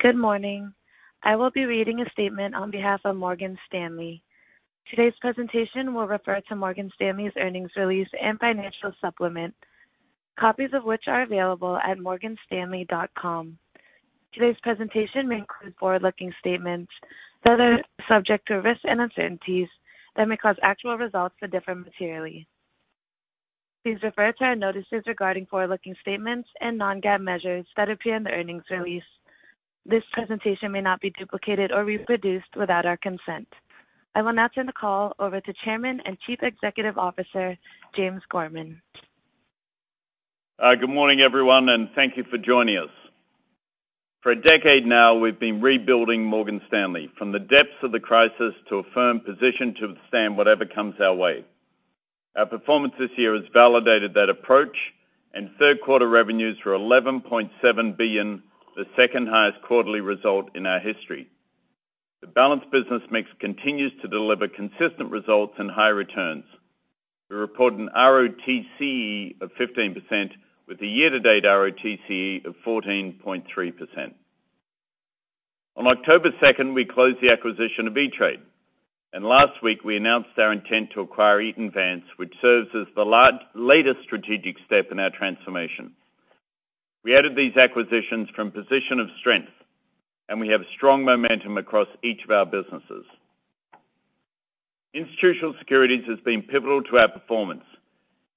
Good morning. I will be reading a statement on behalf of Morgan Stanley. Today's presentation will refer to Morgan Stanley's earnings release and financial supplement, copies of which are available at morganstanley.com. Today's presentation may include forward-looking statements that are subject to risks and uncertainties that may cause actual results to differ materially. Please refer to our notices regarding forward-looking statements and non-GAAP measures that appear in the earnings release. This presentation may not be duplicated or reproduced without our consent. I will now turn the call over to Chairman and Chief Executive Officer, James Gorman. Good morning, everyone, thank you for joining us. For a decade now, we've been rebuilding Morgan Stanley from the depths of the crisis to a firm position to withstand whatever comes our way. Our performance this year has validated that approach, and third quarter revenues were $11.7 billion, the second highest quarterly result in our history. The balanced business mix continues to deliver consistent results and high returns. We report an ROTCE of 15% with a year-to-date ROTCE of 14.3%. On October 2nd, we closed the acquisition of E*TRADE, and last week we announced our intent to acquire Eaton Vance, which serves as the latest strategic step in our transformation. We added these acquisitions from a position of strength, and we have strong momentum across each of our businesses. Institutional Securities has been pivotal to our performance.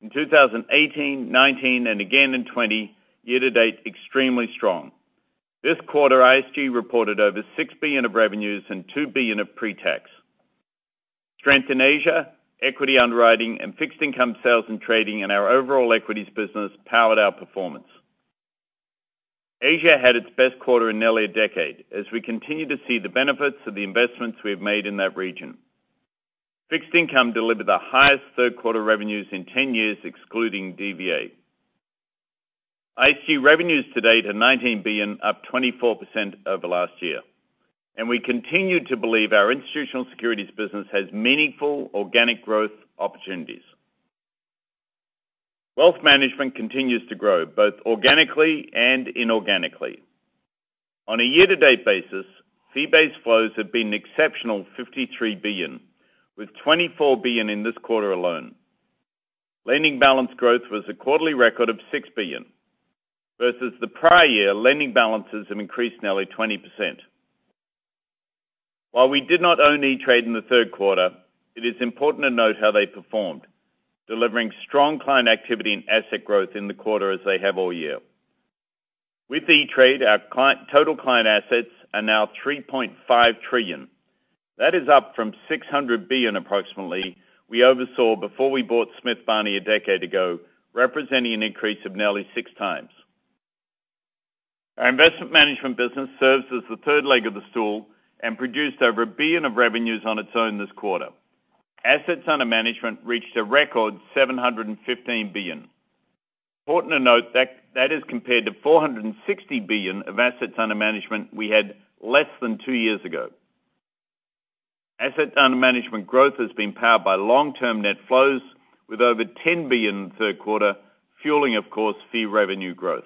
In 2018, 2019, and again in 2020, year-to-date, extremely strong. This quarter, ISG reported over $6 billion of revenues and $2 billion of pre-tax. Strength in Asia, equity underwriting, and fixed income sales and trading, and our overall equities business powered our performance. Asia had its best quarter in nearly a decade, as we continue to see the benefits of the investments we have made in that region. Fixed income delivered the highest third quarter revenues in 10 years, excluding DVA. ISG revenues to date are $19 billion, up 24% over last year, and we continue to believe our Institutional Securities business has meaningful organic growth opportunities. Wealth Management continues to grow both organically and inorganically. On a year-to-date basis, fee-based flows have been an exceptional $53 billion, with $24 billion in this quarter alone. Lending balance growth was a quarterly record of $6 billion. Versus the prior year, lending balances have increased nearly 20%. While we did not own E*TRADE in the third quarter, it is important to note how they performed, delivering strong client activity and asset growth in the quarter as they have all year. With E*TRADE, our total client assets are now $3.5 trillion. That is up from $600 billion approximately we oversaw before we bought Smith Barney a decade ago, representing an increase of nearly 6x. Our Investment Management business serves as the third leg of the stool and produced over $1 billion of revenues on its own this quarter. Assets under management reached a record $715 billion. Important to note, that is compared to $460 billion of assets under management we had less than two years ago. Assets under management growth has been powered by long-term net flows with over $10 billion in the third quarter, fueling, of course, fee revenue growth.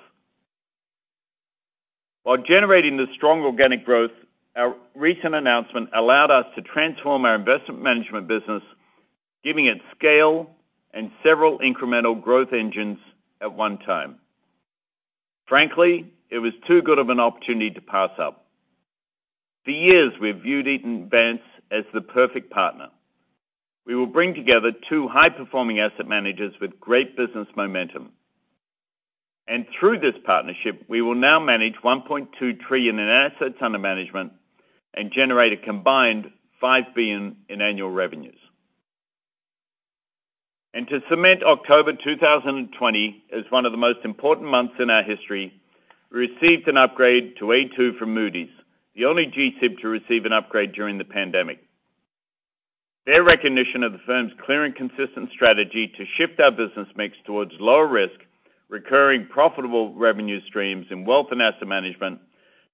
While generating the strong organic growth, our recent announcement allowed us to transform our Investment Management business, giving it scale and several incremental growth engines at one time. Frankly, it was too good of an opportunity to pass up. For years, we viewed Eaton Vance as the perfect partner. We will bring together two high-performing asset managers with great business momentum. Through this partnership, we will now manage $1.2 trillion in assets under management and generate a combined $5 billion in annual revenues. To cement October 2020 as one of the most important months in our history, we received an upgrade to A2 from Moody's, the only G-SIB to receive an upgrade during the pandemic. Their recognition of the firm's clear and consistent strategy to shift our business mix towards lower risk, recurring profitable revenue streams in wealth and asset management,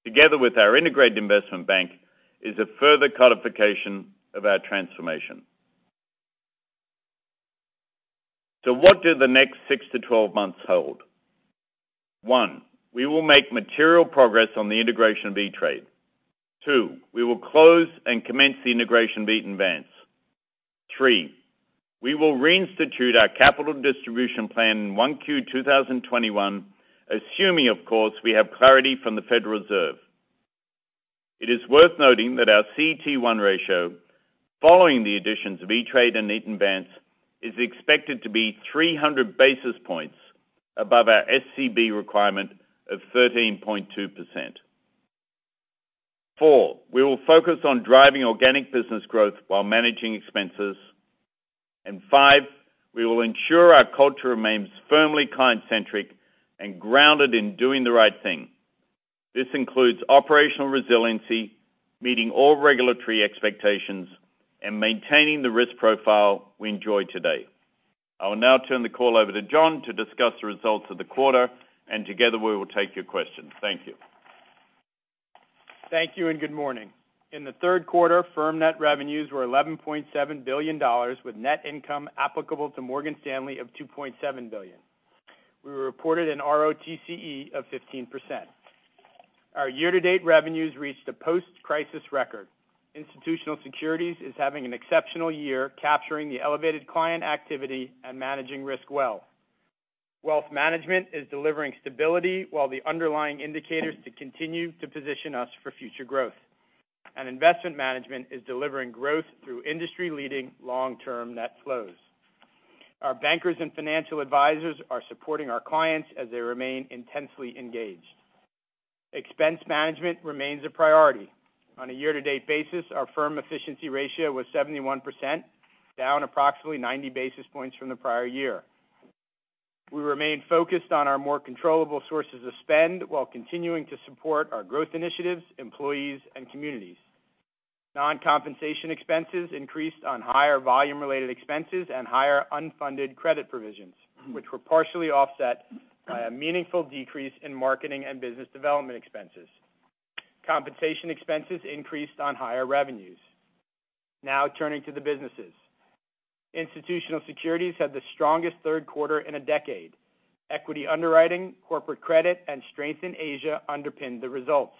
together with our integrated investment bank, is a further codification of our transformation. What do the next 6 to 12 months hold? One, we will make material progress on the integration of E*TRADE. Two, we will close and commence the integration of Eaton Vance. Three, we will reinstitute our capital distribution plan in 1Q 2021, assuming, of course, we have clarity from the Federal Reserve. It is worth noting that our CET1 ratio, following the additions of E*TRADE and Eaton Vance, is expected to be 300 basis points above our SCB requirement of 13.2%. Four, we will focus on driving organic business growth while managing expenses. Five, we will ensure our culture remains firmly client-centric and grounded in doing the right thing. This includes operational resiliency, meeting all regulatory expectations, and maintaining the risk profile we enjoy today. I will now turn the call over to Jon to discuss the results of the quarter. Together we will take your questions. Thank you. Thank you and good morning. In the third quarter, firm net revenues were $11.7 billion, with net income applicable to Morgan Stanley of $2.7 billion. We reported an ROTCE of 15%. Our year-to-date revenues reached a post-crisis record. Institutional Securities is having an exceptional year, capturing the elevated client activity and managing risk well. Wealth Management is delivering stability while the underlying indicators continue to position us for future growth. Investment Management is delivering growth through industry-leading long-term net flows. Our bankers and financial advisors are supporting our clients as they remain intensely engaged. Expense management remains a priority. On a year-to-date basis, our firm efficiency ratio was 71%, down approximately 90 basis points from the prior year. We remain focused on our more controllable sources of spend while continuing to support our growth initiatives, employees, and communities. Non-compensation expenses increased on higher volume-related expenses and higher unfunded credit provisions, which were partially offset by a meaningful decrease in marketing and business development expenses. Compensation expenses increased on higher revenues. Turning to the businesses. Institutional Securities had the strongest third quarter in a decade. Equity underwriting, corporate credit, and strength in Asia underpinned the results.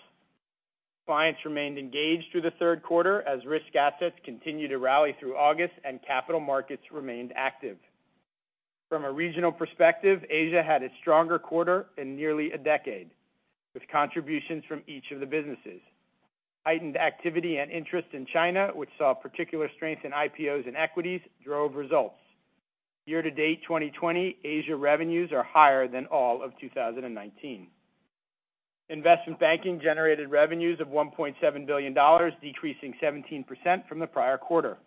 Clients remained engaged through the third quarter as risk assets continued to rally through August and capital markets remained active. From a regional perspective, Asia had its stronger quarter in nearly a decade, with contributions from each of the businesses. Heightened activity and interest in China, which saw particular strength in IPOs and equities, drove results. Year-to-date 2020, Asia revenues are higher than all of 2019. Investment banking generated revenues of $1.7 billion, decreasing 17% from the prior quarter.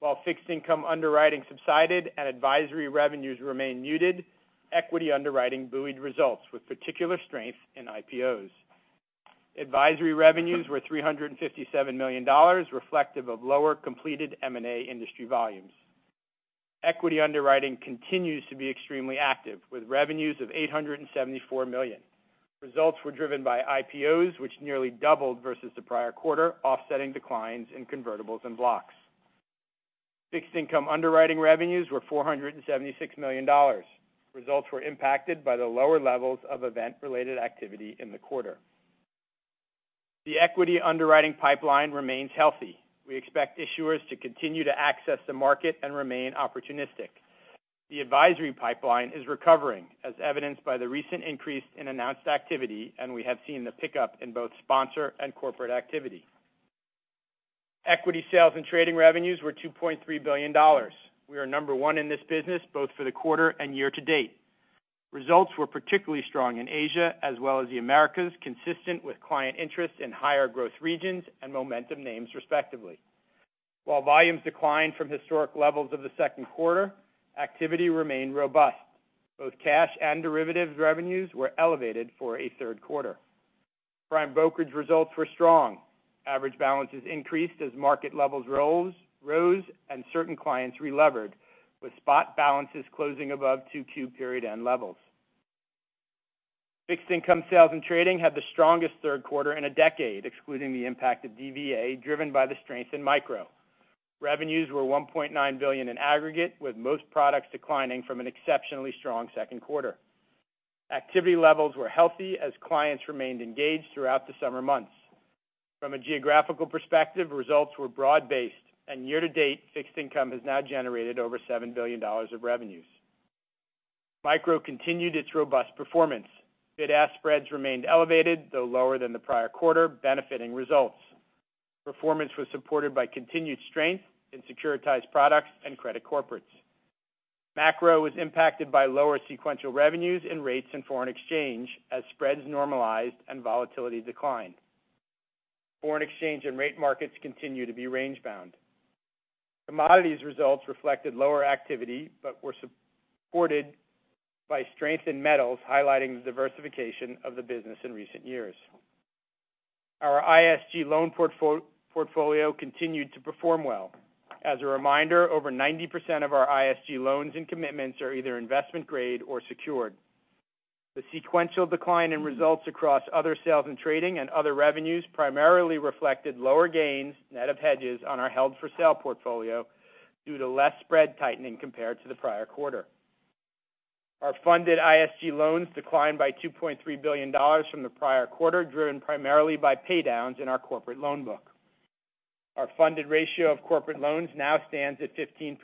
While fixed income underwriting subsided and advisory revenues remain muted, equity underwriting buoyed results with particular strength in IPOs. Advisory revenues were $357 million, reflective of lower completed M&A industry volumes. Equity underwriting continues to be extremely active, with revenues of $874 million. Results were driven by IPOs, which nearly doubled versus the prior quarter, offsetting declines in convertibles and blocks. Fixed income underwriting revenues were $476 million. Results were impacted by the lower levels of event-related activity in the quarter. The equity underwriting pipeline remains healthy. We expect issuers to continue to access the market and remain opportunistic. The advisory pipeline is recovering, as evidenced by the recent increase in announced activity, and we have seen the pickup in both sponsor and corporate activity. Equity sales and trading revenues were $2.3 billion. We are number one in this business both for the quarter and year-to-date. Results were particularly strong in Asia as well as the Americas, consistent with client interest in higher growth regions and momentum names, respectively. While volumes declined from historic levels of the second quarter, activity remained robust. Both cash and derivatives revenues were elevated for a third quarter. Prime brokerage results were strong. Average balances increased as market levels rose and certain clients relevered, with spot balances closing above 2Q period end levels. Fixed income sales and trading had the strongest third quarter in a decade, excluding the impact of DVA, driven by the strength in micro. Revenues were $1.9 billion in aggregate, with most products declining from an exceptionally strong second quarter. Activity levels were healthy as clients remained engaged throughout the summer months. From a geographical perspective, results were broad-based, and year-to-date, fixed income has now generated over $7 billion of revenues. Micro continued its robust performance. Bid-ask spreads remained elevated, though lower than the prior quarter, benefiting results. Performance was supported by continued strength in securitized products and credit corporates. Macro was impacted by lower sequential revenues in rates and foreign exchange as spreads normalized and volatility declined. Foreign exchange and rate markets continue to be range-bound. Commodities results reflected lower activity but were supported by strength in metals, highlighting the diversification of the business in recent years. Our ISG loan portfolio continued to perform well. As a reminder, over 90% of our ISG loans and commitments are either investment grade or secured. The sequential decline in results across other sales and trading and other revenues primarily reflected lower gains, net of hedges, on our held-for-sale portfolio due to less spread tightening compared to the prior quarter. Our funded ISG loans declined by $2.3 billion from the prior quarter, driven primarily by paydowns in our corporate loan book. Our funded ratio of corporate loans now stands at 15%,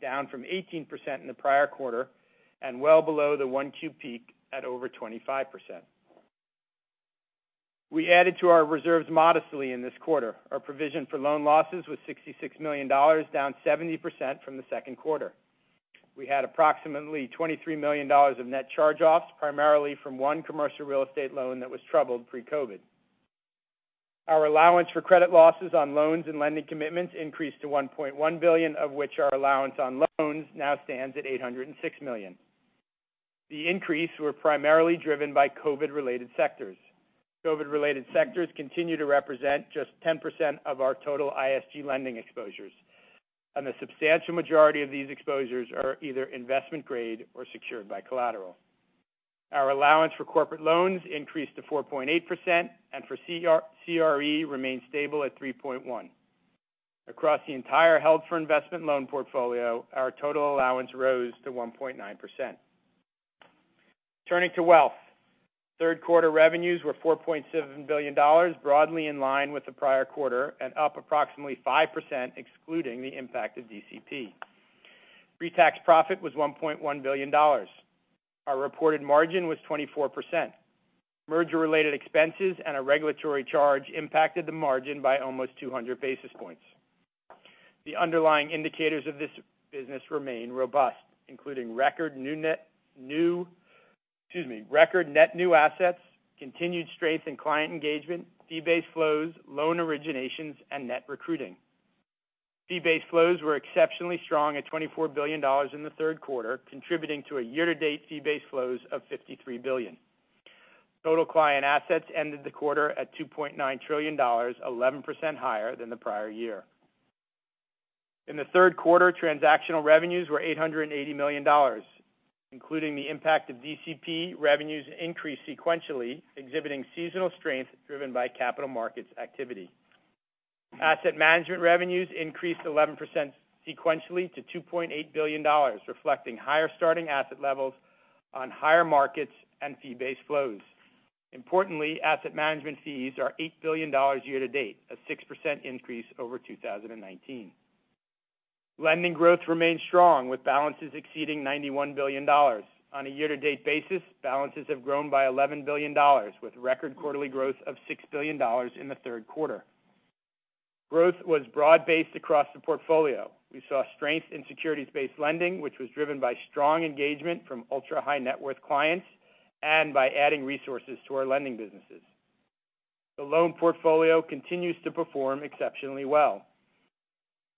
down from 18% in the prior quarter and well below the 1Q peak at over 25%. We added to our reserves modestly in this quarter. Our provision for loan losses was $66 million, down 70% from the second quarter. We had approximately $23 million of net charge-offs, primarily from one commercial real estate loan that was troubled pre-COVID. Our allowance for credit losses on loans and lending commitments increased to $1.1 billion, of which our allowance on loans now stands at $806 million. The increase were primarily driven by COVID-related sectors. COVID-related sectors continue to represent just 10% of our total ISG lending exposures. The substantial majority of these exposures are either investment grade or secured by collateral. Our allowance for corporate loans increased to 4.8%, and for CRE remained stable at 3.1%. Across the entire held for investment loan portfolio, our total allowance rose to 1.9%. Turning to wealth. Third quarter revenues were $4.7 billion, broadly in line with the prior quarter, up approximately 5% excluding the impact of DCP. Pre-tax profit was $1.1 billion. Our reported margin was 24%. Merger-related expenses and a regulatory charge impacted the margin by almost 200 basis points. The underlying indicators of this business remain robust, including record net new assets, continued strength in client engagement, fee-based flows, loan originations, and net recruiting. Fee-based flows were exceptionally strong at $24 billion in the third quarter, contributing to a year-to-date fee-based flows of $53 billion. Total client assets ended the quarter at $2.9 trillion, 11% higher than the prior year. In the third quarter, transactional revenues were $880 million. Including the impact of DCP, revenues increased sequentially, exhibiting seasonal strength driven by capital markets activity. Asset management revenues increased 11% sequentially to $2.8 billion, reflecting higher starting asset levels on higher markets and fee-based flows. Importantly, asset management fees are $8 billion year-to-date, a 6% increase over 2019. Lending growth remained strong, with balances exceeding $91 billion. On a year-to-date basis, balances have grown by $11 billion, with record quarterly growth of $6 billion in the third quarter. Growth was broad-based across the portfolio. We saw strength in securities-based lending, which was driven by strong engagement from ultra-high net worth clients and by adding resources to our lending businesses. The loan portfolio continues to perform exceptionally well.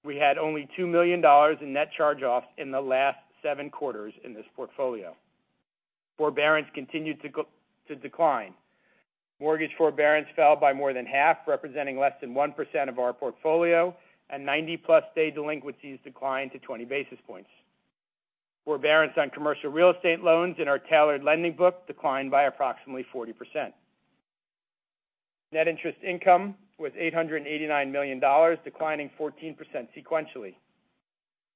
We had only $2 million in net charge-offs in the last seven quarters in this portfolio. Forbearance continued to decline. Mortgage forbearance fell by more than 1/2, representing less than 1% of our portfolio, and 90+ day delinquencies declined to 20 basis points. Forbearance on commercial real estate loans in our tailored lending book declined by approximately 40%. Net interest income was $889 million, declining 14% sequentially.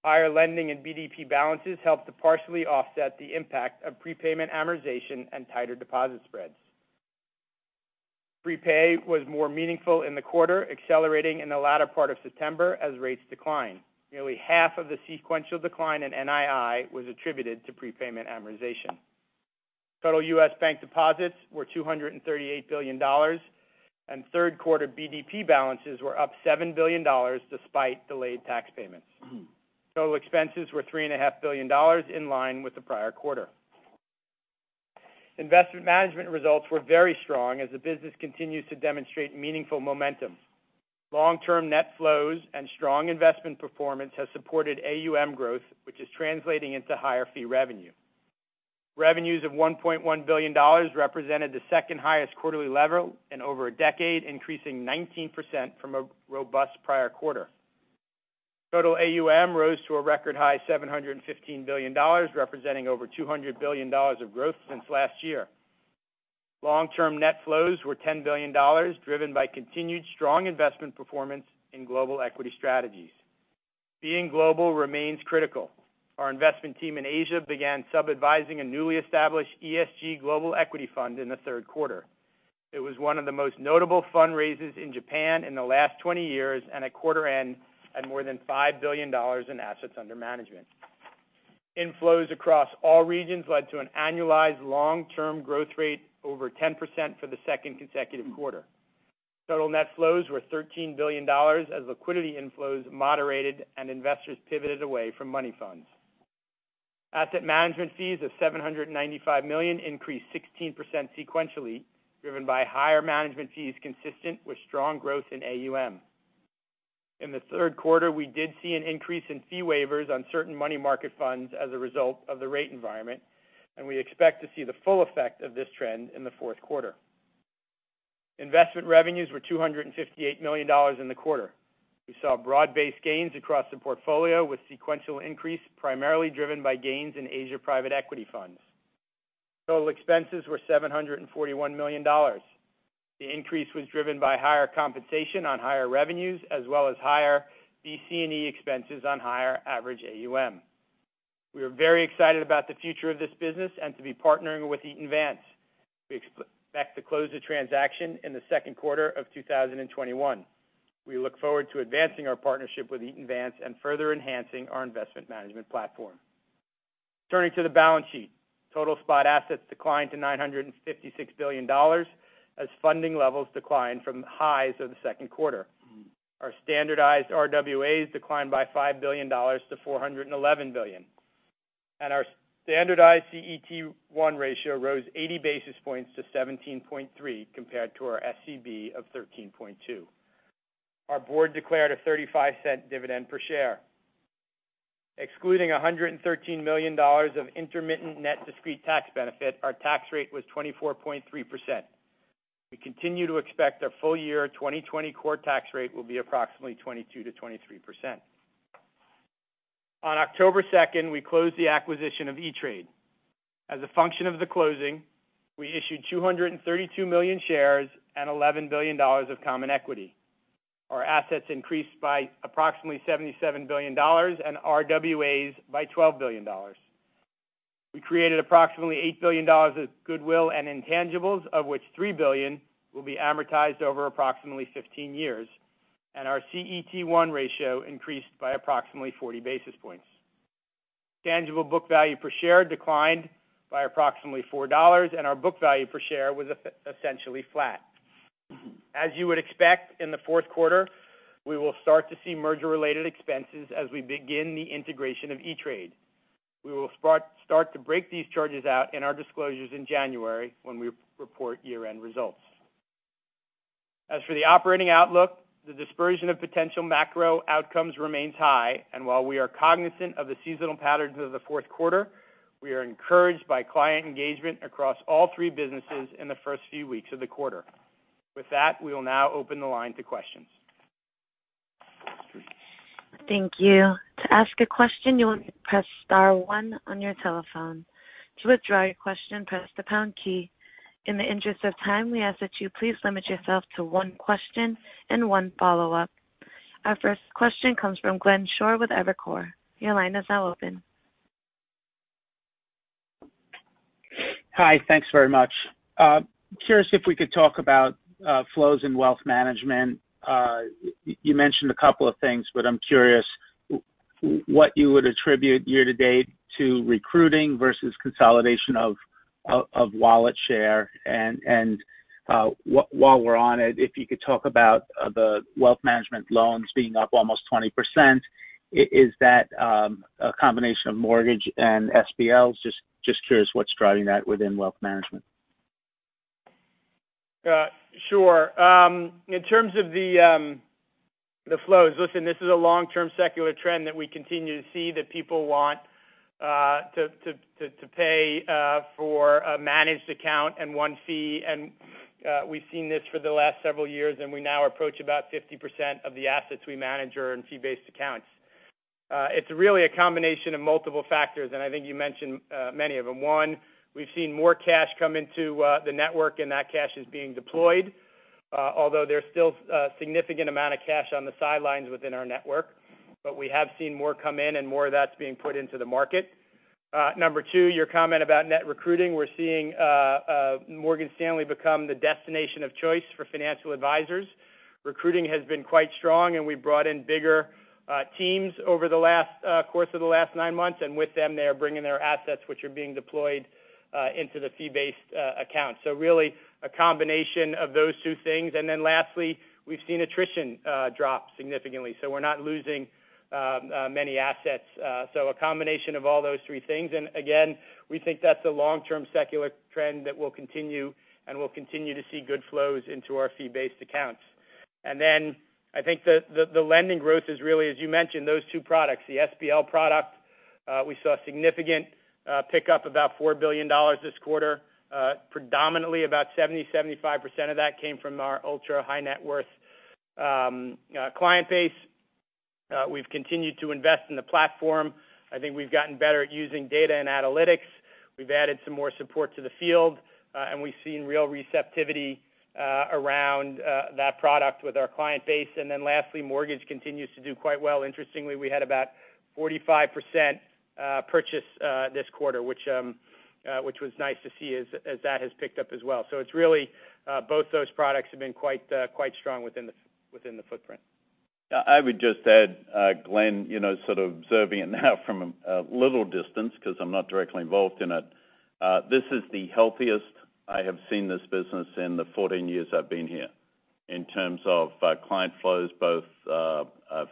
Higher lending and BDP balances helped to partially offset the impact of prepayment amortization and tighter deposit spreads. Prepay was more meaningful in the quarter, accelerating in the latter part of September as rates declined. Nearly 1/2 of the sequential decline in NII was attributed to prepayment amortization. Total U.S. bank deposits were $238 billion, and third quarter BDP balances were up $7 billion despite delayed tax payments. Total expenses were $3.5 billion, in line with the prior quarter. Investment Management results were very strong as the business continues to demonstrate meaningful momentum. Long-term net flows and strong investment performance has supported AUM growth, which is translating into higher fee revenue. Revenues of $1.1 billion represented the second highest quarterly level in over a decade, increasing 19% from a robust prior quarter. Total AUM rose to a record high $715 billion, representing over $200 billion of growth since last year. Long-term net flows were $10 billion, driven by continued strong investment performance in global equity strategies. Being global remains critical. Our investment team in Asia began sub-advising a newly established ESG global equity fund in the third quarter. It was one of the most notable fundraisers in Japan in the last 20 years, and at quarter end, had more than $5 billion in assets under management. Inflows across all regions led to an annualized long-term growth rate over 10% for the second consecutive quarter. Total net flows were $13 billion as liquidity inflows moderated and investors pivoted away from money funds. Asset management fees of $795 million increased 16% sequentially, driven by higher management fees consistent with strong growth in AUM. In the third quarter, we did see an increase in fee waivers on certain money market funds as a result of the rate environment. We expect to see the full effect of this trend in the fourth quarter. Investment revenues were $258 million in the quarter. We saw broad-based gains across the portfolio, with sequential increase primarily driven by gains in Asia private equity funds. Total expenses were $741 million. The increase was driven by higher compensation on higher revenues, as well as higher BC&E expenses on higher average AUM. We are very excited about the future of this business and to be partnering with Eaton Vance. We expect to close the transaction in the second quarter of 2021. We look forward to advancing our partnership with Eaton Vance and further enhancing our Investment Management platform. Turning to the balance sheet. Total spot assets declined to $956 billion as funding levels declined from the highs of the second quarter. Our standardized RWAs declined by $5 billion to $411 billion. Our standardized CET1 ratio rose 80 basis points to 17.3%, compared to our SCB of 13.2%. Our board declared a $0.35 dividend per share. Excluding $113 million of intermittent net discrete tax benefit, our tax rate was 24.3%. We continue to expect our full year 2020 core tax rate will be approximately 22%-23%. On October 2nd, we closed the acquisition of E*TRADE. As a function of the closing, we issued 232 million shares and $11 billion of common equity. Our assets increased by approximately $77 billion and RWAs by $12 billion. We created approximately $8 billion of goodwill and intangibles, of which $3 billion will be amortized over approximately 15 years, and our CET1 ratio increased by approximately 40 basis points. Tangible book value per share declined by approximately $4, and our book value per share was essentially flat. As you would expect in the fourth quarter, we will start to see merger-related expenses as we begin the integration of E*TRADE. We will start to break these charges out in our disclosures in January when we report year-end results. For the operating outlook, the dispersion of potential macro outcomes remains high, and while we are cognizant of the seasonal patterns of the fourth quarter, we are encouraged by client engagement across all three businesses in the first few weeks of the quarter. With that, we will now open the line to questions. Thank you. To ask a question, press star one on your telephone. To withdraw your question, press the pound key. In the interest of time, we ask that you please limit yourself to one question and one follow-up. Our first question comes from Glenn Schorr with Evercore. Your line is now open. Hi. Thanks very much. Curious if we could talk about flows in Wealth Management. You mentioned a couple of things, but I'm curious what you would attribute year-to-date to recruiting versus consolidation of wallet share. While we're on it, if you could talk about the Wealth Management loans being up almost 20%. Is that a combination of mortgage and SBLs? Just curious what's driving that within Wealth Management. Sure. In terms of the flows, listen, this is a long-term secular trend that we continue to see, that people want to pay for a managed account and one fee. We've seen this for the last several years, and we now approach about 50% of the assets we manage are in fee-based accounts. It's really a combination of multiple factors, and I think you mentioned many of them. One, we've seen more cash come into the network, and that cash is being deployed. Although there's still a significant amount of cash on the sidelines within our network. We have seen more come in and more of that's being put into the market. Number two, your comment about net recruiting. We're seeing Morgan Stanley become the destination of choice for financial advisors. Recruiting has been quite strong. We've brought in bigger teams over the course of the last nine months. With them, they are bringing their assets, which are being deployed into the fee-based accounts. Really, a combination of those two things. Lastly, we've seen attrition drop significantly. We're not losing many assets. A combination of all those three things. Again, we think that's a long-term secular trend that will continue, and we'll continue to see good flows into our fee-based accounts. I think the lending growth is really, as you mentioned, those two products. The SBL product, we saw a significant pickup, about $4 billion this quarter. Predominantly, about 70%, 75% of that came from our ultra-high net worth client base. We've continued to invest in the platform. I think we've gotten better at using data and analytics. We've added some more support to the field, and we've seen real receptivity around that product with our client base. Lastly, mortgage continues to do quite well. Interestingly, we had about 45% purchase this quarter, which was nice to see as that has picked up as well. It's really both those products have been quite strong within the footprint. I would just add, Glenn, sort of observing it now from a little distance because I'm not directly involved in it. This is the healthiest I have seen this business in the 14 years I've been here in terms of client flows, both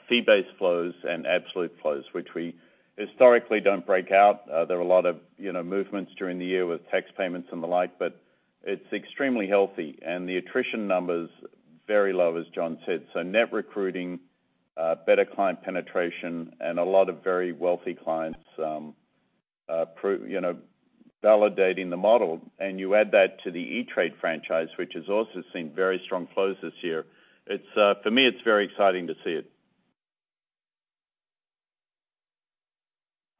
fee-based flows and absolute flows, which we historically don't break out. There are a lot of movements during the year with tax payments and the like, but it's extremely healthy. The attrition numbers, very low, as Jon said. Net recruiting, better client penetration, and a lot of very wealthy clients validating the model. You add that to the E*TRADE franchise, which has also seen very strong flows this year. For me, it's very exciting to see it.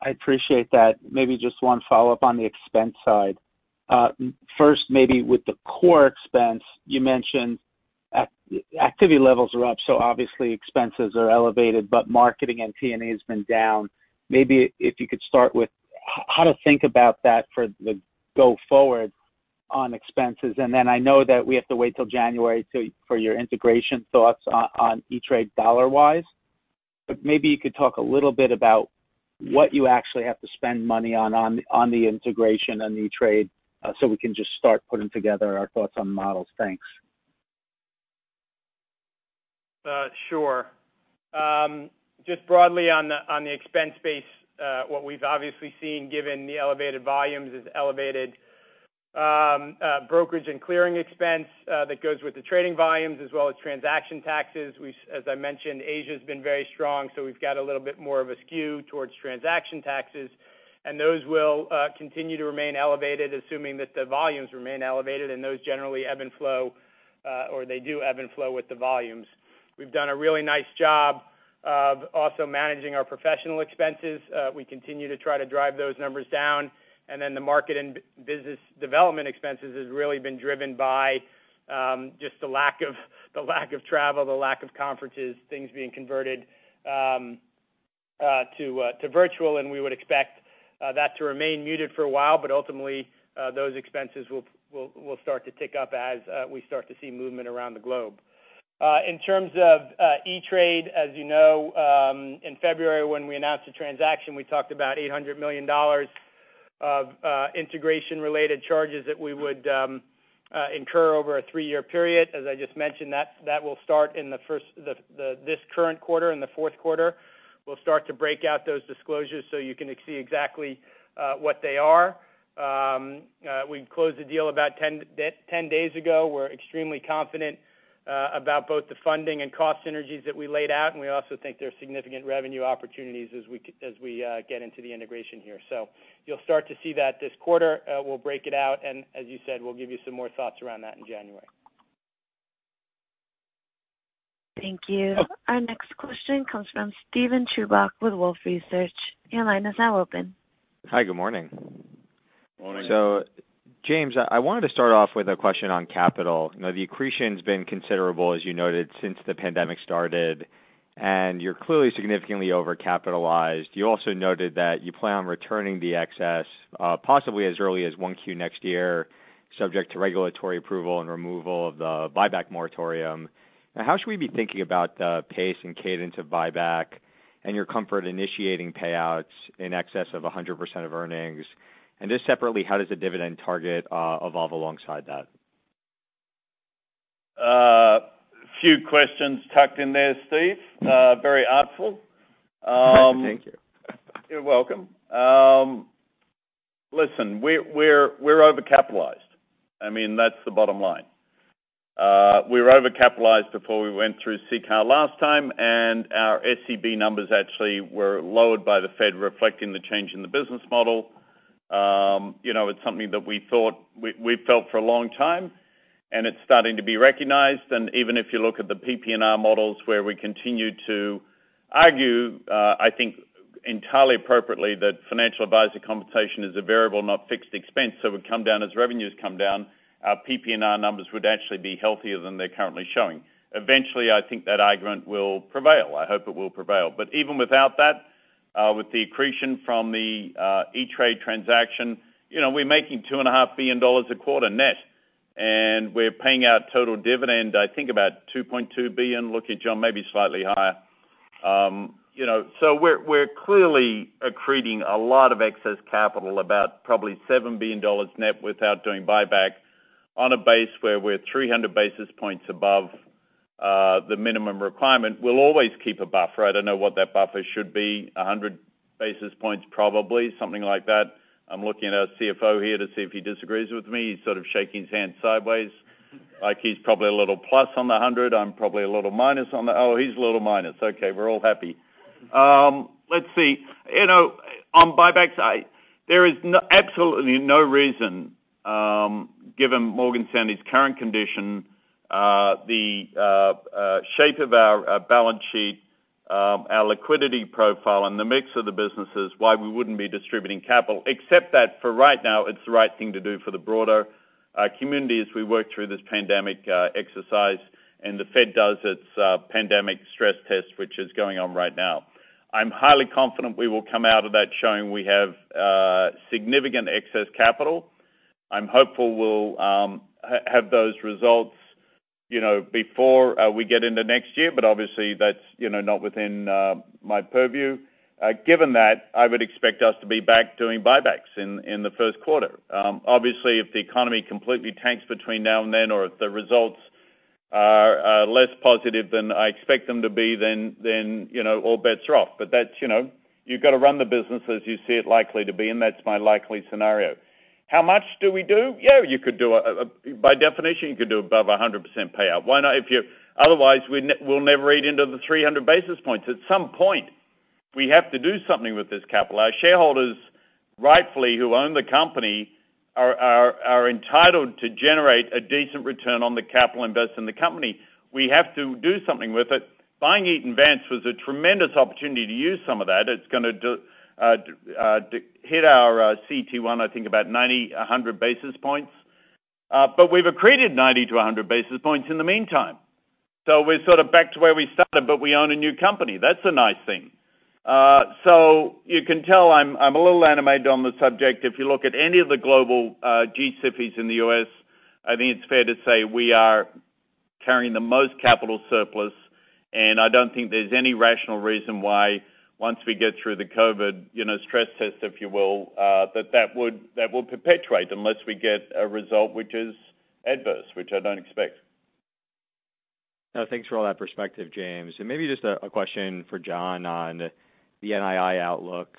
I appreciate that. Maybe just one follow-up on the expense side. First, maybe with the core expense, you mentioned activity levels are up, so obviously expenses are elevated, but marketing and T&E has been down. Maybe if you could start with how to think about that for the go forward on expenses. I know that we have to wait till January for your integration thoughts on E*TRADE dollar-wise, but maybe you could talk a little bit about what you actually have to spend money on the integration on E*TRADE so we can just start putting together our thoughts on models. Thanks. Sure. Just broadly on the expense base, what we've obviously seen, given the elevated volumes, is elevated brokerage and clearing expense that goes with the trading volumes as well as transaction taxes. As I mentioned, Asia has been very strong, we've got a little bit more of a skew towards transaction taxes. Those will continue to remain elevated, assuming that the volumes remain elevated, and those generally ebb and flow or they do ebb and flow with the volumes. We've done a really nice job of also managing our professional expenses. We continue to try to drive those numbers down. The market and business development expenses has really been driven by just the lack of travel, the lack of conferences, things being converted to virtual. We would expect that to remain muted for a while. Ultimately, those expenses will start to tick up as we start to see movement around the globe. In terms of E*TRADE, as you know, in February when we announced the transaction, we talked about $800 million of integration-related charges that we would incur over a three-year period. As I just mentioned, that will start in this current quarter. In the fourth quarter, we'll start to break out those disclosures so you can see exactly what they are. We closed the deal about 10 days ago. We're extremely confident about both the funding and cost synergies that we laid out, and we also think there are significant revenue opportunities as we get into the integration here. You'll start to see that this quarter. We'll break it out, and as you said, we'll give you some more thoughts around that in January. Thank you. Our next question comes from Steven Chubak with Wolfe Research. Your line is now open. Hi, good morning. Morning. James, I wanted to start off with a question on capital. The accretion's been considerable, as you noted, since the pandemic started, and you're clearly significantly over-capitalized. You also noted that you plan on returning the excess, possibly as early as 1Q next year, subject to regulatory approval and removal of the buyback moratorium. How should we be thinking about the pace and cadence of buyback and your comfort initiating payouts in excess of 100% of earnings? Just separately, how does the dividend target evolve alongside that? A few questions tucked in there, Steven. Very artful. Thank you. You're welcome. Listen, we're over-capitalized. That's the bottom line. We were over-capitalized before we went through CCAR last time, and our SCB numbers actually were lowered by the Fed, reflecting the change in the business model. It's something that we've felt for a long time, and it's starting to be recognized. Even if you look at the PPNR models, where we continue to argue, I think entirely appropriately, that financial advisor compensation is a variable, not fixed expense, so it would come down as revenues come down. Our PPNR numbers would actually be healthier than they're currently showing. Eventually, I think that argument will prevail. I hope it will prevail. Even without that, with the accretion from the E*TRADE transaction, we're making $2.5 billion a quarter net, and we're paying out total dividend, I think about $2.2 billion. Looking at Jon, maybe slightly higher. We're clearly accreting a lot of excess capital, about probably $7 billion net without doing buyback on a base where we're 300 basis points above the minimum requirement. We'll always keep a buffer. I don't know what that buffer should be, 100 basis points probably, something like that. I'm looking at our CFO here to see if he disagrees with me. He's sort of shaking his hand sideways, like he's probably a little plus on the hundred. I'm probably a little minus. Oh, he's a little minus. Okay, we're all happy. Let's see. On buybacks, there is absolutely no reason, given Morgan Stanley's current condition, the shape of our balance sheet, our liquidity profile, and the mix of the businesses, why we wouldn't be distributing capital, except that for right now, it's the right thing to do for the broader community as we work through this pandemic exercise and the Fed does its pandemic stress test, which is going on right now. I'm highly confident we will come out of that showing we have significant excess capital. I'm hopeful we'll have those results before we get into next year, but obviously, that's not within my purview. Given that, I would expect us to be back doing buybacks in the first quarter. Obviously, if the economy completely tanks between now and then, or if the results are less positive than I expect them to be, then all bets are off. You've got to run the business as you see it likely to be, and that's my likely scenario. How much do we do? By definition, you could do above 100% payout. Why not? Otherwise, we'll never eat into the 300 basis points. At some point, we have to do something with this capital. Our shareholders, rightfully, who own the company, are entitled to generate a decent return on the capital invested in the company. We have to do something with it. Buying Eaton Vance was a tremendous opportunity to use some of that. It's going to hit our CET1, I think about 90 basis points-100 basis points. We've accreted 90 basis points-100 basis points in the meantime. We're sort of back to where we started, but we own a new company. That's a nice thing. You can tell I'm a little animated on the subject. If you look at any of the global G-SIFIs in the U.S., I think it's fair to say we are carrying the most capital surplus. I don't think there's any rational reason why once we get through the COVID stress test, if you will, that will perpetuate unless we get a result which is adverse, which I don't expect. Thanks for all that perspective, James. Maybe just a question for Jon on the NII outlook.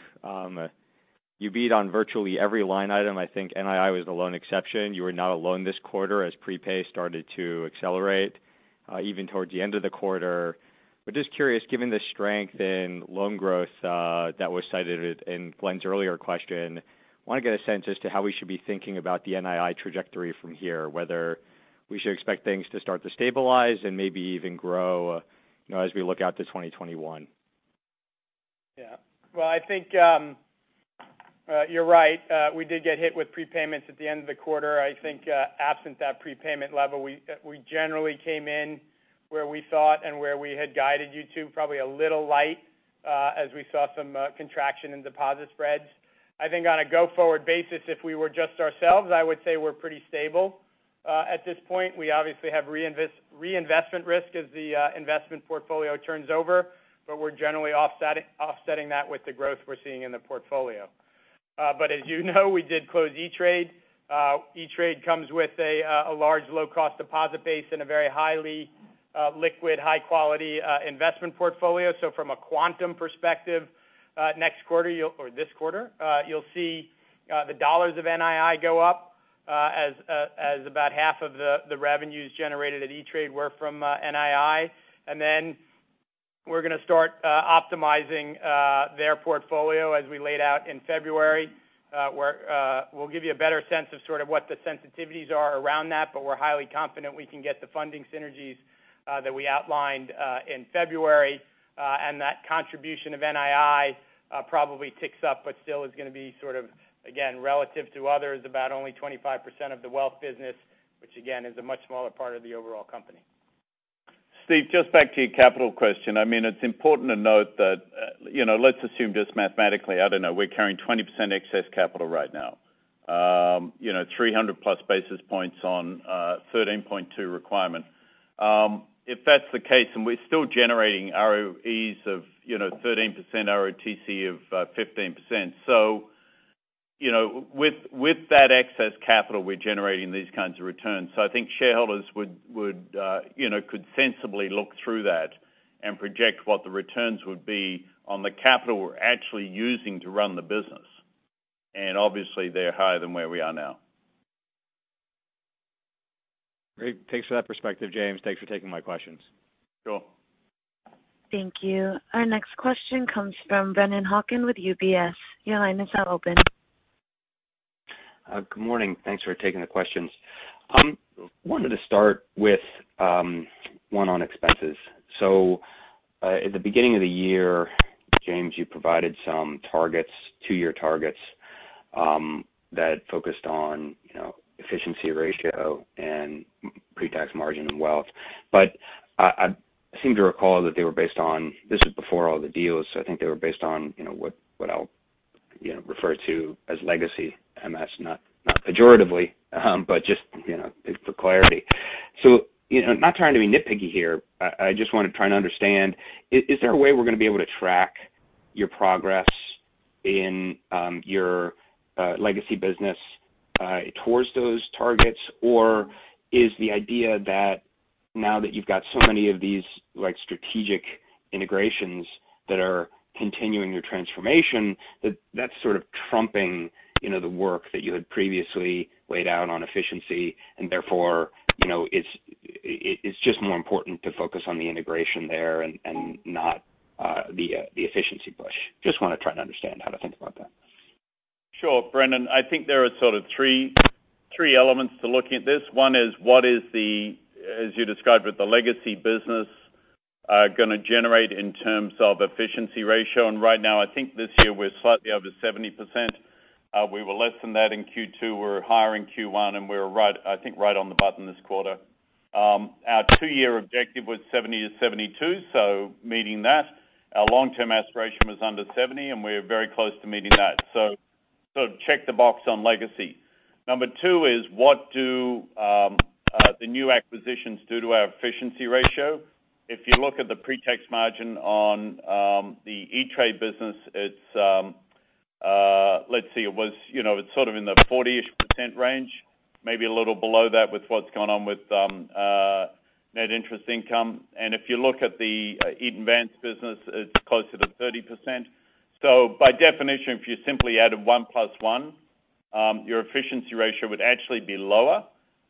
You beat on virtually every line item. I think NII was the lone exception. You were not alone this quarter as prepay started to accelerate even towards the end of the quarter. Just curious, given the strength in loan growth that was cited in Glenn's earlier question, want to get a sense as to how we should be thinking about the NII trajectory from here, whether we should expect things to start to stabilize and maybe even grow as we look out to 2021. Well, I think you're right. We did get hit with prepayments at the end of the quarter. I think absent that prepayment level, we generally came in where we thought and where we had guided you to, probably a little light as we saw some contraction in deposit spreads. I think on a go-forward basis, if we were just ourselves, I would say we're pretty stable. At this point, we obviously have reinvestment risk as the investment portfolio turns over, but we're generally offsetting that with the growth we're seeing in the portfolio. As you know, we did close E*TRADE. E*TRADE comes with a large low-cost deposit base and a very highly liquid, high-quality investment portfolio. From a quantum perspective next quarter or this quarter, you'll see the dollars of NII go up as about 1/2 of the revenues generated at E*TRADE were from NII. Then we're going to start optimizing their portfolio as we laid out in February. We'll give you a better sense of sort of what the sensitivities are around that. We're highly confident we can get the funding synergies that we outlined in February. That contribution of NII probably ticks up but still is going to be sort of, again, relative to others, about only 25% of the Wealth business, which again, is a much smaller part of the overall company. Steven, just back to your capital question. It's important to note that, let's assume just mathematically, I don't know, we're carrying 20% excess capital right now. 300+ basis points on 13.2% requirement. If that's the case, we're still generating ROEs of 13%, ROTCE of 15%. With that excess capital, we're generating these kinds of returns. I think shareholders could sensibly look through that and project what the returns would be on the capital we're actually using to run the business. Obviously, they're higher than where we are now. Great. Thanks for that perspective, James. Thanks for taking my questions. Sure. Thank you. Our next question comes from Brennan Hawken with UBS. Your line is now open. Good morning. Thanks for taking the questions. Wanted to start with one on expenses. At the beginning of the year, James, you provided some two-year targets that focused on efficiency ratio and pre-tax margin and wealth. I seem to recall that they were based on, this is before all the deals, what I'll refer to as legacy MS, not pejoratively but just for clarity. Not trying to be nitpicky here. I just want to try and understand, is there a way we're going to be able to track your progress in your legacy business towards those targets? Is the idea that now that you've got so many of these strategic integrations that are continuing your transformation, that that's sort of trumping the work that you had previously laid out on efficiency and therefore it's just more important to focus on the integration there and not the efficiency push? I just want to try and understand how to think about that. Sure, Brennan. I think there are sort of three elements to looking at this. One is what is the, as you described with the legacy business, going to generate in terms of efficiency ratio. Right now, I think this year we're slightly over 70%. We were less than that in Q2. We were higher in Q1, and we were, I think, right on the button this quarter. Our two-year objective was 70%-72%, meeting that. Our long-term aspiration was under 70%, and we're very close to meeting that. Sort of check the box on legacy. Number two is what do the new acquisitions do to our efficiency ratio? If you look at the pre-tax margin on the E*TRADE business, it's sort of in the 40%-ish range, maybe a little below that with what's gone on with net interest income. If you look at the Eaton Vance business, it's closer to 30%. By definition, if you simply added 1 + 1, your efficiency ratio would actually be lower.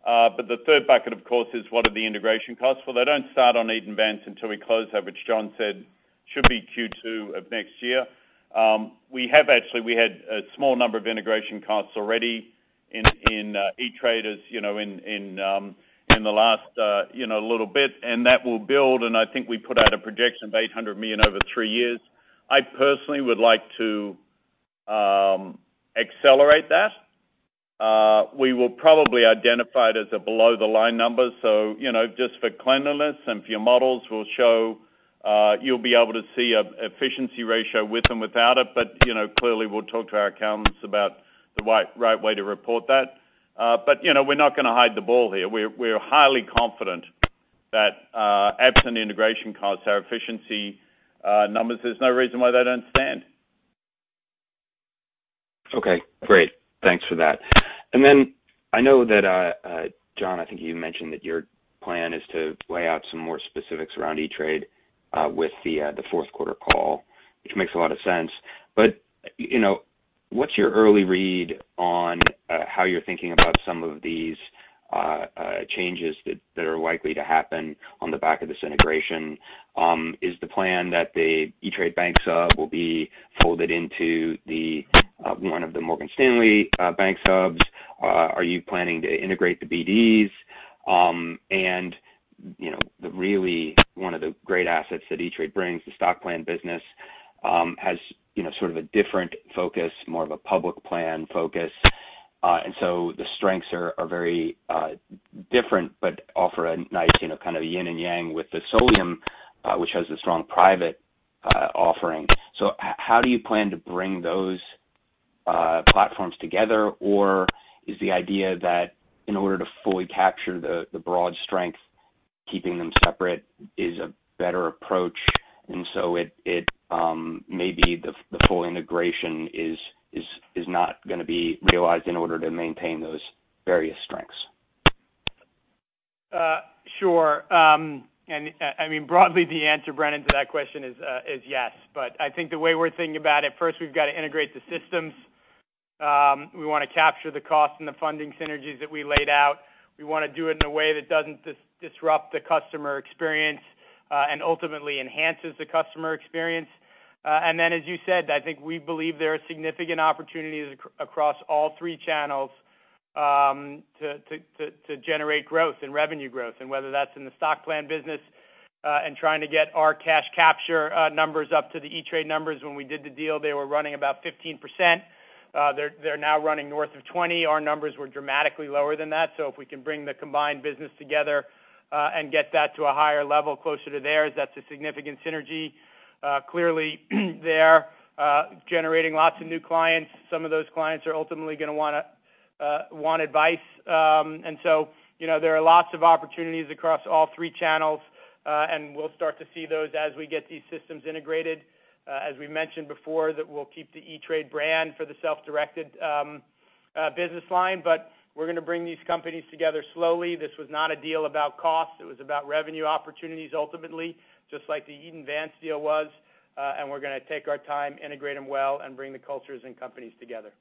The third bucket, of course, is what are the integration costs? Well, they don't start on Eaton Vance until we close that, which Jon said should be Q2 of next year. We had a small number of integration costs already in E*TRADE in the last little bit, and that will build, and I think we put out a projection of $800 million over three years. I personally would like to accelerate that. We will probably identify it as a below the line number. Just for cleanliness and for your models, you'll be able to see efficiency ratio with and without it. Clearly, we'll talk to our accountants about the right way to report that. We're not going to hide the ball here. We're highly confident that absent integration costs, our efficiency numbers, there's no reason why they don't stand. Okay, great. Thanks for that. I know that, Jon, I think you mentioned that your plan is to lay out some more specifics around E*TRADE with the fourth quarter call, which makes a lot of sense. What's your early read on how you're thinking about some of these changes that are likely to happen on the back of this integration? Is the plan that the E*TRADE bank sub will be folded into one of the Morgan Stanley bank subs? Are you planning to integrate the BDs? One of the great assets that E*TRADE brings, the stock plan business, has sort of a different focus, more of a public plan focus. The strengths are very different but offer a nice kind of yin and yang with the Solium, which has a strong private offering. How do you plan to bring those platforms together? Is the idea that in order to fully capture the broad strength, keeping them separate is a better approach, and so maybe the full integration is not going to be realized in order to maintain those various strengths? Sure. Broadly, the answer, Brennan, to that question is yes. I think the way we're thinking about it, first, we've got to integrate the systems. We want to capture the cost and the funding synergies that we laid out. We want to do it in a way that doesn't disrupt the customer experience, and ultimately enhances the customer experience. As you said, I think we believe there are significant opportunities across all three channels to generate growth and revenue growth. Whether that's in the stock plan business, and trying to get our cash capture numbers up to the E*TRADE numbers. When we did the deal, they were running about 15%. They're now running north of 20%. Our numbers were dramatically lower than that. If we can bring the combined business together, and get that to a higher level closer to theirs, that's a significant synergy. Clearly, they're generating lots of new clients. Some of those clients are ultimately going to want advice. There are lots of opportunities across all three channels. We'll start to see those as we get these systems integrated. As we mentioned before, that we'll keep the E*TRADE brand for the self-directed business line. We're going to bring these companies together slowly. This was not a deal about cost. It was about revenue opportunities, ultimately, just like the Eaton Vance deal was. We're going to take our time, integrate them well, and bring the cultures and companies together.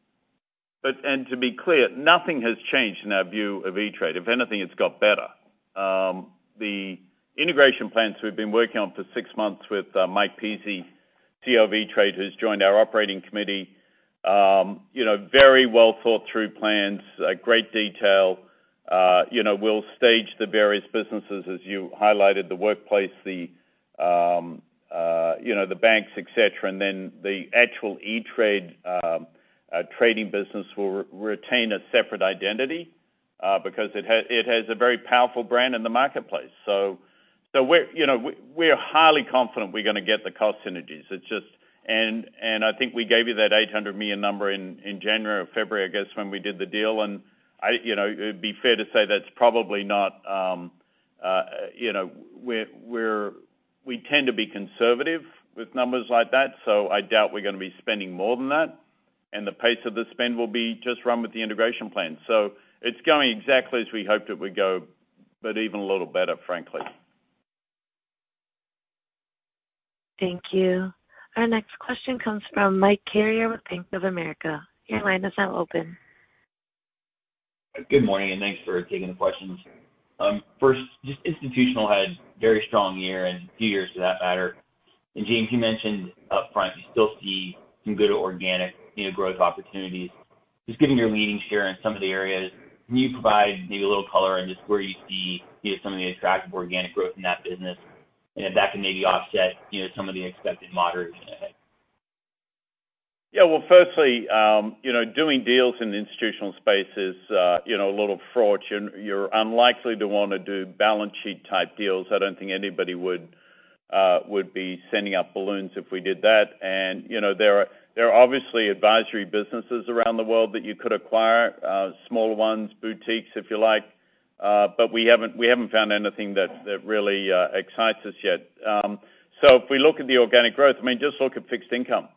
To be clear, nothing has changed in our view of E*TRADE. If anything, it's got better. The integration plans we've been working on for six months with Mike Pizzi, CEO of E*TRADE, who's joined our operating committee. Very well thought through plans, great detail. We'll stage the various businesses, as you highlighted, the workplace, the banks, et cetera. The actual E*TRADE trading business will retain a separate identity, because it has a very powerful brand in the marketplace. We're highly confident we're going to get the cost synergies. I think we gave you that $800 million number in January or February, I guess, when we did the deal. We tend to be conservative with numbers like that, so I doubt we're going to be spending more than that. The pace of the spend will be just run with the integration plan. It's going exactly as we hoped it would go, but even a little better, frankly. Thank you. Our next question comes from Mike Carrier with Bank of America. Your line is now open. Good morning, and thanks for taking the questions. First, just Institutional had a very strong year and few years to that matter. James, you mentioned up front you still see some good organic growth opportunities. Just given your leading share in some of the areas, can you provide maybe a little color on just where you see some of the attractive organic growth in that business, and if that can maybe offset some of the expected moderation ahead? Well, firstly, doing deals in the Institutional space is a little fraught. You're unlikely to want to do balance sheet type deals. I don't think anybody would be sending up balloons if we did that. There are obviously advisory businesses around the world that you could acquire, smaller ones, boutiques, if you like. We haven't found anything that really excites us yet. If we look at the organic growth, just look at fixed income.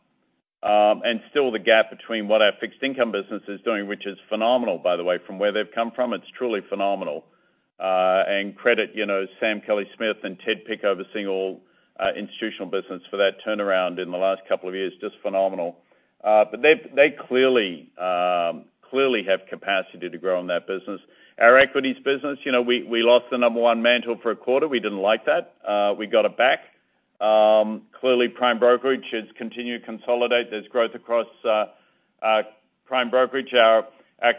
Still the gap between what our fixed income business is doing, which is phenomenal, by the way, from where they've come from, it's truly phenomenal. Credit Sam Kellie-Smith and Ted Pick overseeing all institutional business for that turnaround in the last couple of years, just phenomenal. They clearly have capacity to grow in that business. Our equities business, we lost the number one mantle for a quarter. We didn't like that. We got it back. Clearly, prime brokerage has continued to consolidate. There's growth across prime brokerage. Our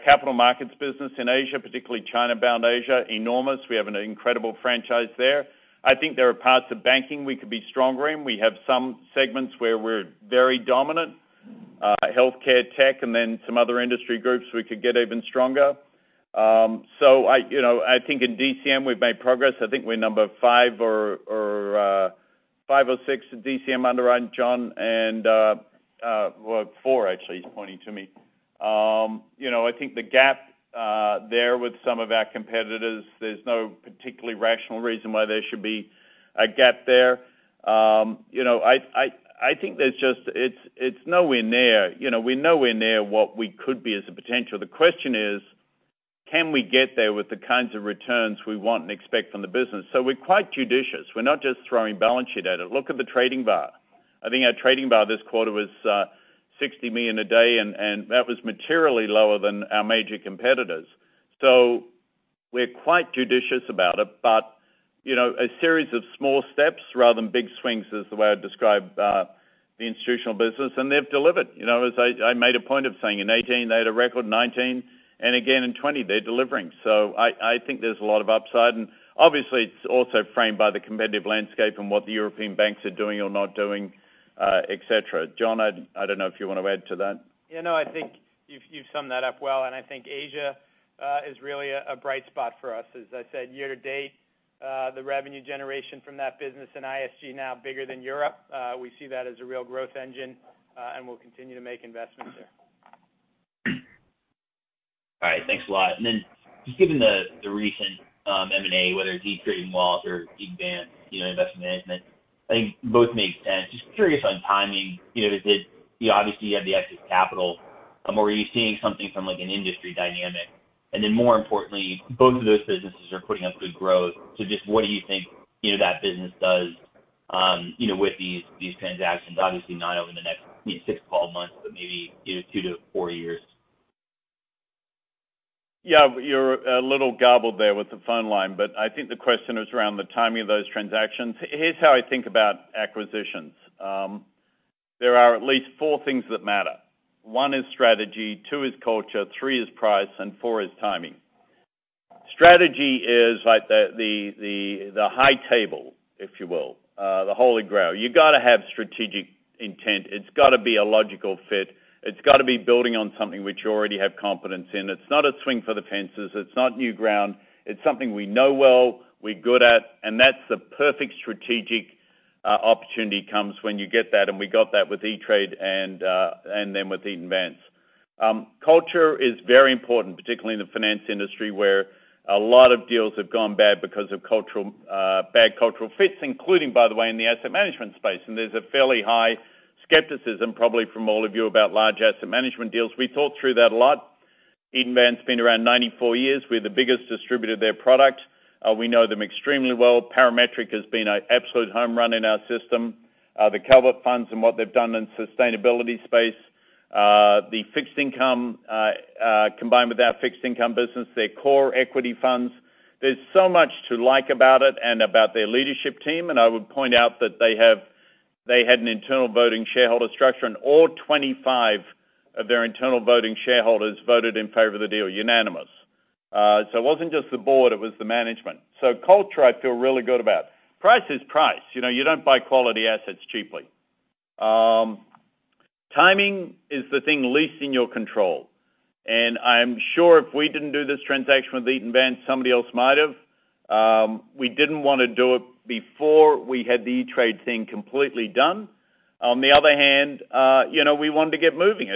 capital markets business in Asia, particularly China-bound Asia, enormous. We have an incredible franchise there. I think there are parts of banking we could be stronger in. We have some segments where we're very dominant. Healthcare, tech, and then some other industry groups we could get even stronger. I think in DCM, we've made progress. I think we're number five or six in DCM underwriting, Jon. Well, four, actually, he's pointing to me. I think there with some of our competitors, there's no particularly rational reason why there should be a gap there. I think we're nowhere near what we could be as a potential. The question is, can we get there with the kinds of returns we want and expect from the business? We're quite judicious. We're not just throwing balance sheet at it. Look at the trading Var. I think our trading VaR this quarter was $60 million a day, that was materially lower than our major competitors. We're quite judicious about it. A series of small steps rather than big swings is the way I'd describe the Institutional business. They've delivered. As I made a point of saying, in 2018 they had a record, 2019 and again in 2020 they're delivering. I think there's a lot of upside and obviously it's also framed by the competitive landscape and what the European banks are doing or not doing, et cetera. Jon, I don't know if you want to add to that. No, I think you've summed that up well. I think Asia is really a bright spot for us. As I said, year-to-date, the revenue generation from that business and ISG is now bigger than Europe. We see that as a real growth engine, and we'll continue to make investments there. All right, thanks a lot. Just given the recent M&A, whether it's E*TRADE or Eaton Vance, Investment Management, I think both make sense. Just curious on timing. Obviously you have the excess capital, or are you seeing something from like an industry dynamic? More importantly, both of those businesses are putting up good growth. Just what do you think that business does with these transactions? Obviously not over the next 6 to 12 months, but maybe two to four years. You're a little garbled there with the phone line, but I think the question is around the timing of those transactions. Here's how I think about acquisitions. There are at least four things that matter. One is strategy, two is culture, three is price, and four is timing. Strategy is like the high table, if you will, the holy grail. You got to have strategic intent. It's got to be a logical fit. It's got to be building on something which you already have competence in. It's not a swing for the fences. It's not new ground. It's something we know well, we're good at. That's the perfect strategic opportunity comes when you get that. We got that with E*TRADE and then with Eaton Vance. Culture is very important, particularly in the finance industry where a lot of deals have gone bad because of bad cultural fits, including, by the way, in the asset management space. There's a fairly high skepticism probably from all of you about large asset management deals. We thought through that a lot. Eaton Vance been around 94 years. We're the biggest distributor of their product. We know them extremely well. Parametric has been an absolute home run in our system. The Calvert Funds and what they've done in sustainability space, the fixed income combined with our fixed income business, their core equity funds. There's so much to like about it and about their leadership team. I would point out that they had an internal voting shareholder structure and all 25 of their internal voting shareholders voted in favor of the deal unanimous. It wasn't just the board, it was the management. Culture I feel really good about. Price is price. You don't buy quality assets cheaply. Timing is the thing least in your control. I'm sure if we didn't do this transaction with Eaton Vance, somebody else might have. We didn't want to do it before we had the E*TRADE thing completely done. On the other hand, we wanted to get moving.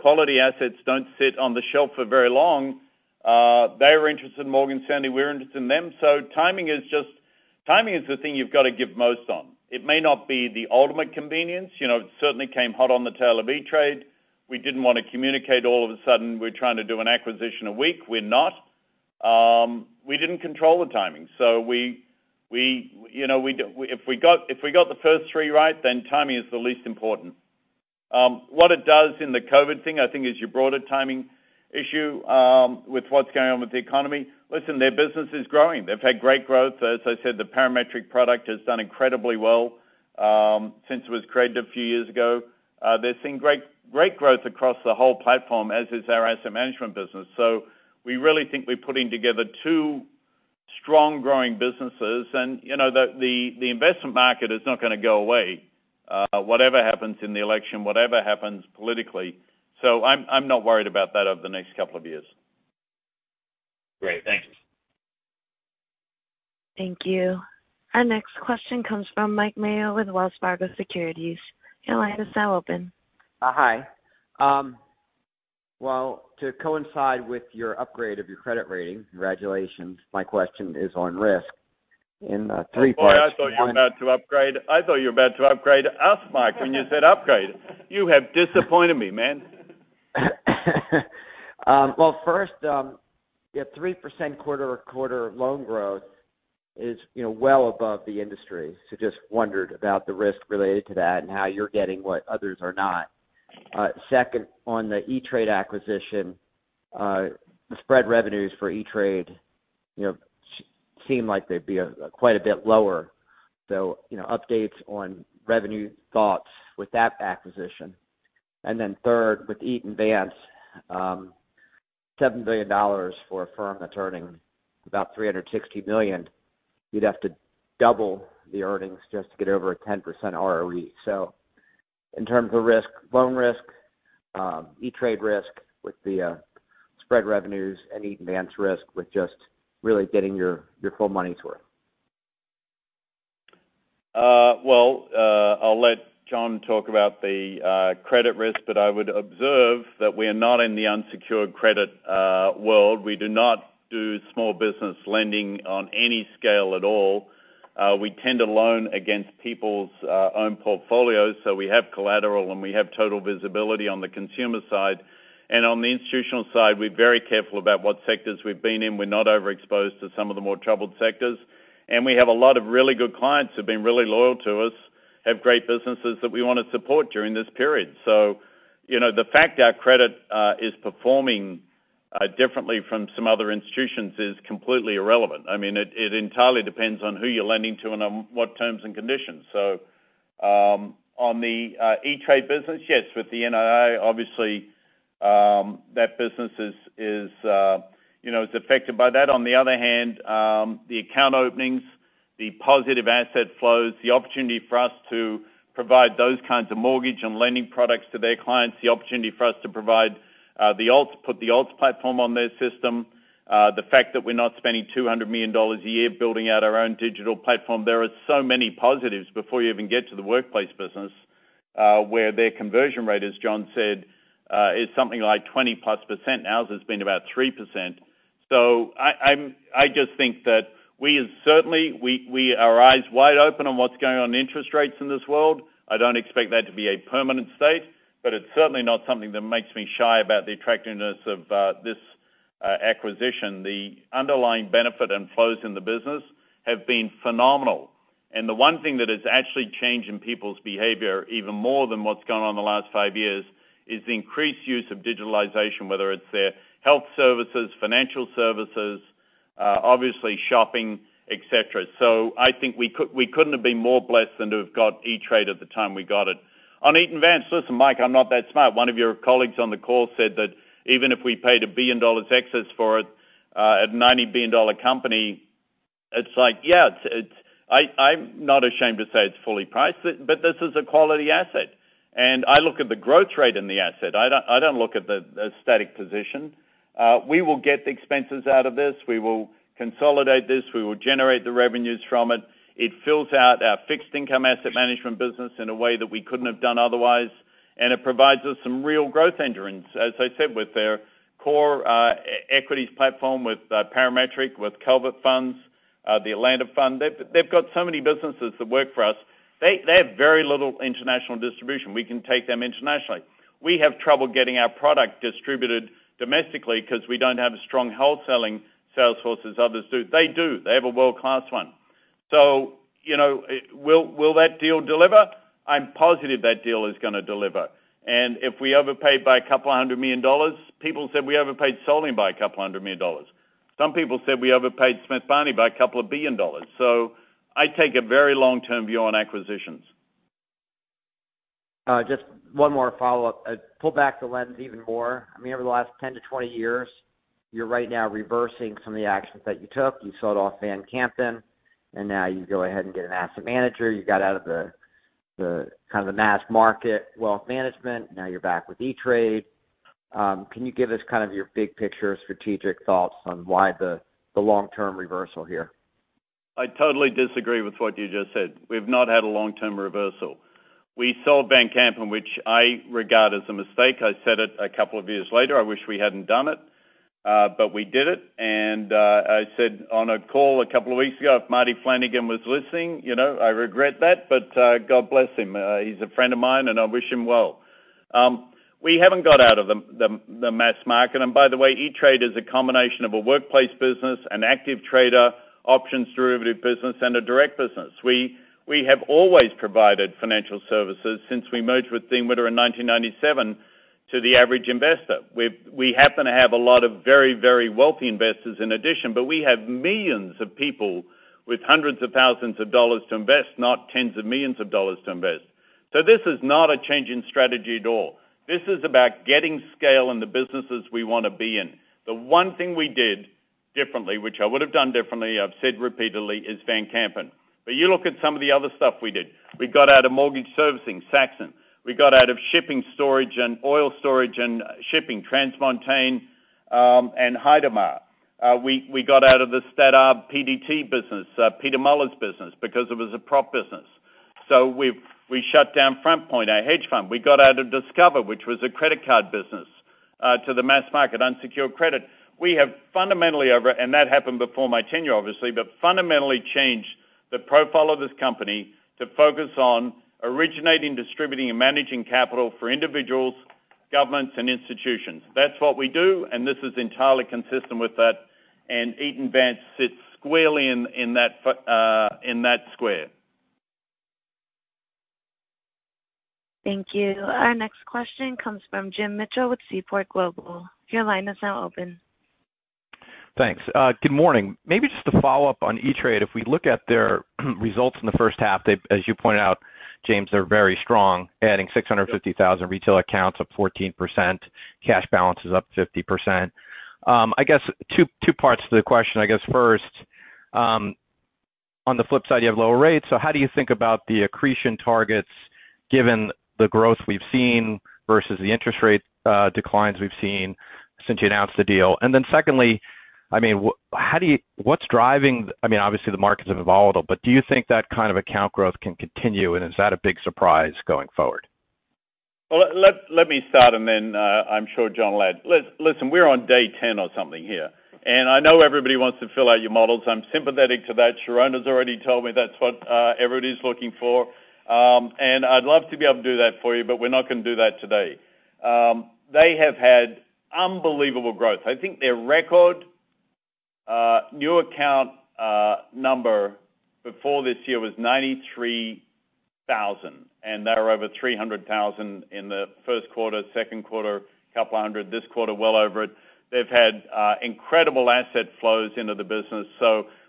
Quality assets don't sit on the shelf for very long. They were interested in Morgan Stanley, we're interested in them. Timing is the thing you've got to give most on. It may not be the ultimate convenience. It certainly came hot on the tail of E*TRADE. We didn't want to communicate all of a sudden we're trying to do an acquisition a week. We're not. We didn't control the timing. If we got the first three right, then timing is the least important. What it does in the COVID thing, I think is your broader timing issue with what's going on with the economy. Listen, their business is growing. They've had great growth. As I said, the Parametric product has done incredibly well since it was created a few years ago. They're seeing great growth across the whole platform, as is our asset management business. We really think we're putting together two strong growing businesses. The investment market is not going to go away. Whatever happens in the election, whatever happens politically. I'm not worried about that over the next couple of years. Great. Thanks. Thank you. Our next question comes from Mike Mayo with Wells Fargo Securities. Your line is now open. Hi. To coincide with your upgrade of your credit rating, congratulations. My question is on risk in three parts. One- Boy, I thought you were about to upgrade us, Mike, when you said upgrade. You have disappointed me, man. First, you have 3% quarter-over-quarter loan growth is well above the industry. Just wondered about the risk related to that and how you're getting what others are not. Second, on the E*TRADE acquisition, the spread revenues for E*TRADE seem like they'd be quite a bit lower. Updates on revenue thoughts with that acquisition. Third, with Eaton Vance, $7 billion for a firm that's earning about $360 million, you'd have to double the earnings just to get over a 10% ROE. In terms of risk, loan risk, E*TRADE risk with the spread revenues and Eaton Vance risk with just really getting your full money's worth. I'll let Jon talk about the credit risk, but I would observe that we are not in the unsecured credit world. We do not do small business lending on any scale at all. We tend to loan against people's own portfolios, so we have collateral and we have total visibility on the consumer side. On the institutional side, we're very careful about what sectors we've been in. We're not overexposed to some of the more troubled sectors. We have a lot of really good clients who've been really loyal to us, have great businesses that we want to support during this period. The fact our credit is performing differently from some other institutions is completely irrelevant. It entirely depends on who you're lending to and on what terms and conditions. On the E*TRADE business, yes, with the NII, obviously, that business is affected by that. On the other hand, the account openings, the positive asset flows, the opportunity for us to provide those kinds of mortgage and lending products to their clients, the opportunity for us to put the alts platform on their system, the fact that we're not spending $200 million a year building out our own digital platform. There are so many positives before you even get to the workplace business, where their conversion rate, as Jon said, is something like 20%+. Ours has been about 3%. I just think that we are eyes wide open on what's going on in interest rates in this world. I don't expect that to be a permanent state, but it's certainly not something that makes me shy about the attractiveness of this acquisition. The underlying benefit and flows in the business have been phenomenal. The one thing that has actually changed in people's behavior, even more than what's gone on in the last five years, is the increased use of digitalization, whether it's their health services, financial services, obviously shopping, et cetera. I think we couldn't have been more blessed than to have got E*TRADE at the time we got it. On Eaton Vance, listen, Mike, I'm not that smart. One of your colleagues on the call said that even if we paid $1 billion taxes for it at a $90 billion company, it's like, I'm not ashamed to say it's fully priced, but this is a quality asset. I look at the growth rate in the asset. I don't look at the static position. We will get the expenses out of this. We will consolidate this. We will generate the revenues from it. It fills out our fixed income asset management business in a way that we couldn't have done otherwise, and it provides us some real growth entrants. As I said, with their core equities platform, with Parametric, with Calvert Funds, the Atlanta Fund. They've got so many businesses that work for us. They have very little international distribution. We can take them internationally. We have trouble getting our product distributed domestically because we don't have a strong wholesaling sales force as others do. They do. They have a world-class one. Will that deal deliver? I'm positive that deal is going to deliver. If we overpaid by a couple of hundred million dollars, people said we overpaid Solium by a couple of hundred million dollars. Some people said we overpaid Smith Barney by a couple of billion dollars. I take a very long-term view on acquisitions. Just one more follow-up. Pull back the lens even more. Over the last 10 to 20 years, you're right now reversing some of the actions that you took. You sold off Van Kampen, and now you go ahead and get an asset manager. You got out of the mass market wealth management. Now you're back with E*TRADE. Can you give us your big-picture strategic thoughts on why the long-term reversal here? I totally disagree with what you just said. We've not had a long-term reversal. We sold Van Kampen, which I regard as a mistake. I said it a couple of years later. I wish we hadn't done it. We did it. I said on a call a couple of weeks ago, if Marty Flanagan was listening, I regret that, but God bless him. He's a friend of mine, and I wish him well. We haven't got out of the mass market. By the way, E*TRADE is a combination of a workplace business, an active trader, options derivative business, and a direct business. We have always provided financial services since we merged with Dean Witter in 1997 to the average investor. We happen to have a lot of very wealthy investors in addition, but we have millions of people with hundreds of thousands of dollars to invest, not tens of millions of dollars to invest. This is not a change in strategy at all. This is about getting scale in the businesses we want to be in. The one thing we did differently, which I would have done differently, I've said repeatedly, is Van Kampen. You look at some of the other stuff we did. We got out of mortgage servicing, Saxon. We got out of shipping storage and oil storage and shipping, TransMontaigne, and Heidmar. We got out of the PDT business, Peter Muller's business, because it was a prop business. We shut down FrontPoint, our hedge fund. We got out of Discover, which was a credit card business, to the mass market, unsecured credit. And that happened before my tenure, obviously. We have fundamentally changed the profile of this company to focus on originating, distributing, and managing capital for individuals, governments, and institutions. That's what we do. This is entirely consistent with that. Eaton Vance sits squarely in that square. Thank you. Our next question comes from Jim Mitchell with Seaport Global. Your line is now open. Thanks. Good morning. Maybe just to follow up on E*TRADE, if we look at their results in the first half, as you pointed out, James, they're very strong, adding 650,000 retail accounts, up 14%. Cash balance is up 50%. Two parts to the question. First, on the flip side, you have lower rates, how do you think about the accretion targets given the growth we've seen versus the interest rate declines we've seen since you announced the deal? Secondly, obviously, the markets have been volatile, do you think that kind of account growth can continue, and is that a big surprise going forward? Well, let me start, then I'm sure Jon will add. Listen, we're on day 10 or something here, I know everybody wants to fill out your models. I'm sympathetic to that. Sheronda's already told me that's what everybody's looking for. I'd love to be able to do that for you, we're not going to do that today. They have had unbelievable growth. I think their record new account number before this year was 93,000, they were over 300,000 in the first quarter, second quarter, a couple of hundred, this quarter, well over it. They've had incredible asset flows into the business.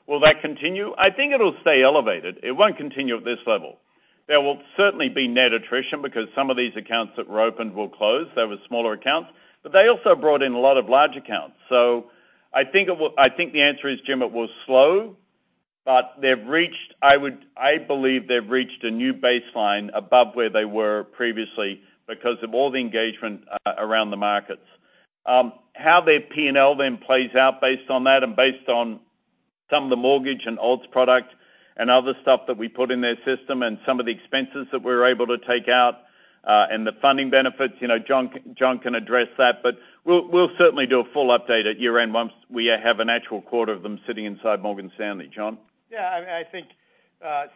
Will that continue? I think it'll stay elevated. It won't continue at this level. There will certainly be net attrition because some of these accounts that were opened will close. They were smaller accounts. They also brought in a lot of large accounts. I think the answer is, Jim, it will slow, but I believe they've reached a new baseline above where they were previously because of all the engagement around the markets. How their P&L then plays out based on that, and based on some of the mortgage and alts product and other stuff that we put in their system and some of the expenses that we're able to take out, and the funding benefits, Jon can address that. We'll certainly do a full update at year-end once we have an actual quarter of them sitting inside Morgan Stanley. Jon?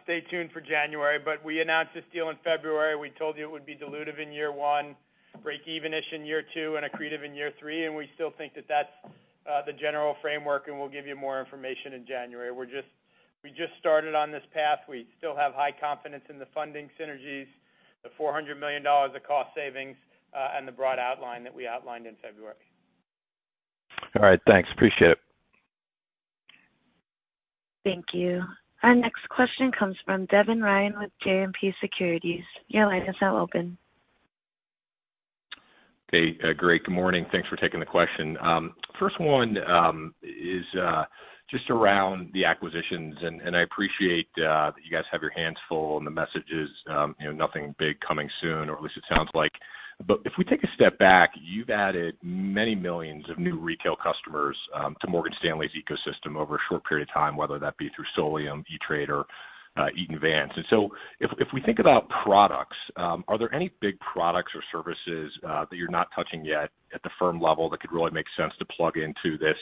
Stay tuned for January. We announced this deal in February. We told you it would be dilutive in year one, breakeven-ish in year two, and accretive in year three, and we still think that that's the general framework, and we'll give you more information in January. We just started on this path. We still have high confidence in the funding synergies, the $400 million of cost savings, and the broad outline that we outlined in February. All right. Thanks. Appreciate it. Thank you. Our next question comes from Devin Ryan with JMP Securities. Your line is now open. Hey, great. Good morning. Thanks for taking the question. First one is just around the acquisitions, and I appreciate that you guys have your hands full and the message is nothing big coming soon, or at least it sounds like. If we take a step back, you've added many millions of new retail customers to Morgan Stanley's ecosystem over a short period of time, whether that be through Solium, E*TRADE, or Eaton Vance. If we think about products, are there any big products or services that you're not touching yet at the firm level that could really make sense to plug into this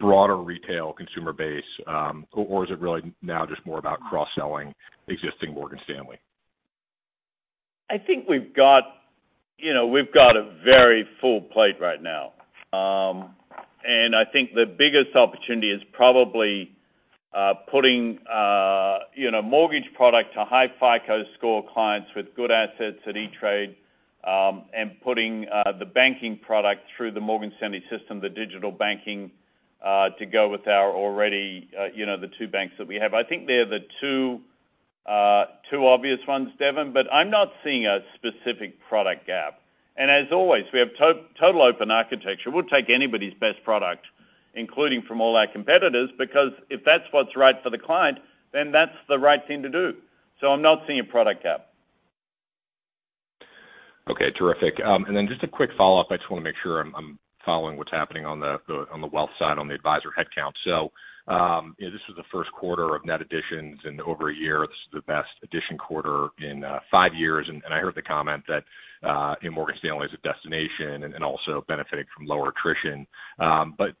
broader retail consumer base? Is it really now just more about cross-selling existing Morgan Stanley? I think we've got a very full plate right now. I think the biggest opportunity is probably putting mortgage product to high FICO score clients with good assets at E*TRADE, and putting the banking product through the Morgan Stanley system, the digital banking, to go with the two banks that we have. I think they're the two obvious ones, Devin, but I'm not seeing a specific product gap. As always, we have total open architecture. We'll take anybody's best product, including from all our competitors, because if that's what's right for the client, then that's the right thing to do. I'm not seeing a product gap. Okay, terrific. Just a quick follow-up. I just want to make sure I'm following what's happening on the wealth side, on the advisor headcount. This is the first quarter of net additions in over a year. This is the best addition quarter in five years, and I heard the comment that Morgan Stanley is a destination and also benefiting from lower attrition.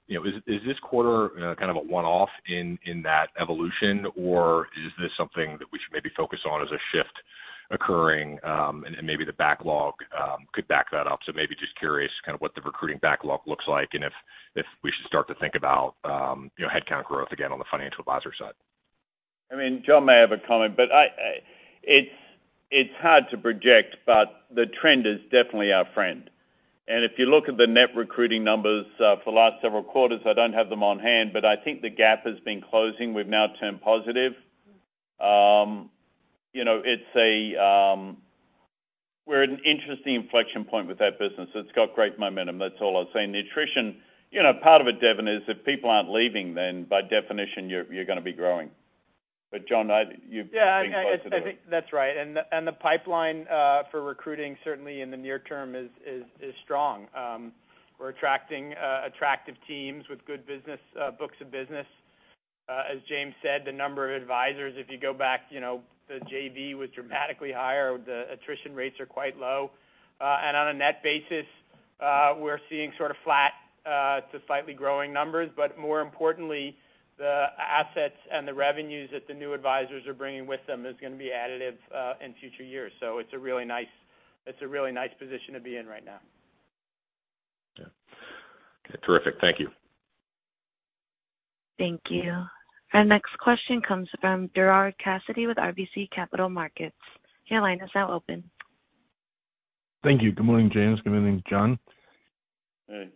Is this quarter kind of a one-off in that evolution, or is this something that we should maybe focus on as a shift occurring, and maybe the backlog could back that up? Maybe just curious kind of what the recruiting backlog looks like, and if we should start to think about headcount growth again on the financial advisor side. Jon may have a comment, but it's hard to project, but the trend is definitely our friend. If you look at the net recruiting numbers for the last several quarters, I don't have them on hand, but I think the gap has been closing. We've now turned positive. We're at an interesting inflection point with that business. It's got great momentum. That's all I was saying. The attrition, part of it, Devin, is if people aren't leaving, then by definition, you're going to be growing. Jon, you've been closer to it. I think that's right. The pipeline for recruiting certainly in the near term is strong. We're attracting attractive teams with good books of business. As James said, the number of advisors, if you go back, the JV was dramatically higher. The attrition rates are quite low. On a net basis, we're seeing sort of flat to slightly growing numbers. More importantly, the assets and the revenues that the new advisors are bringing with them is going to be additive in future years. It's a really nice position to be in right now. Okay, terrific. Thank you. Thank you. Our next question comes from Gerard Cassidy with RBC Capital Markets. Your line is now open. Thank you. Good morning, James. Good morning, Jon. Hey.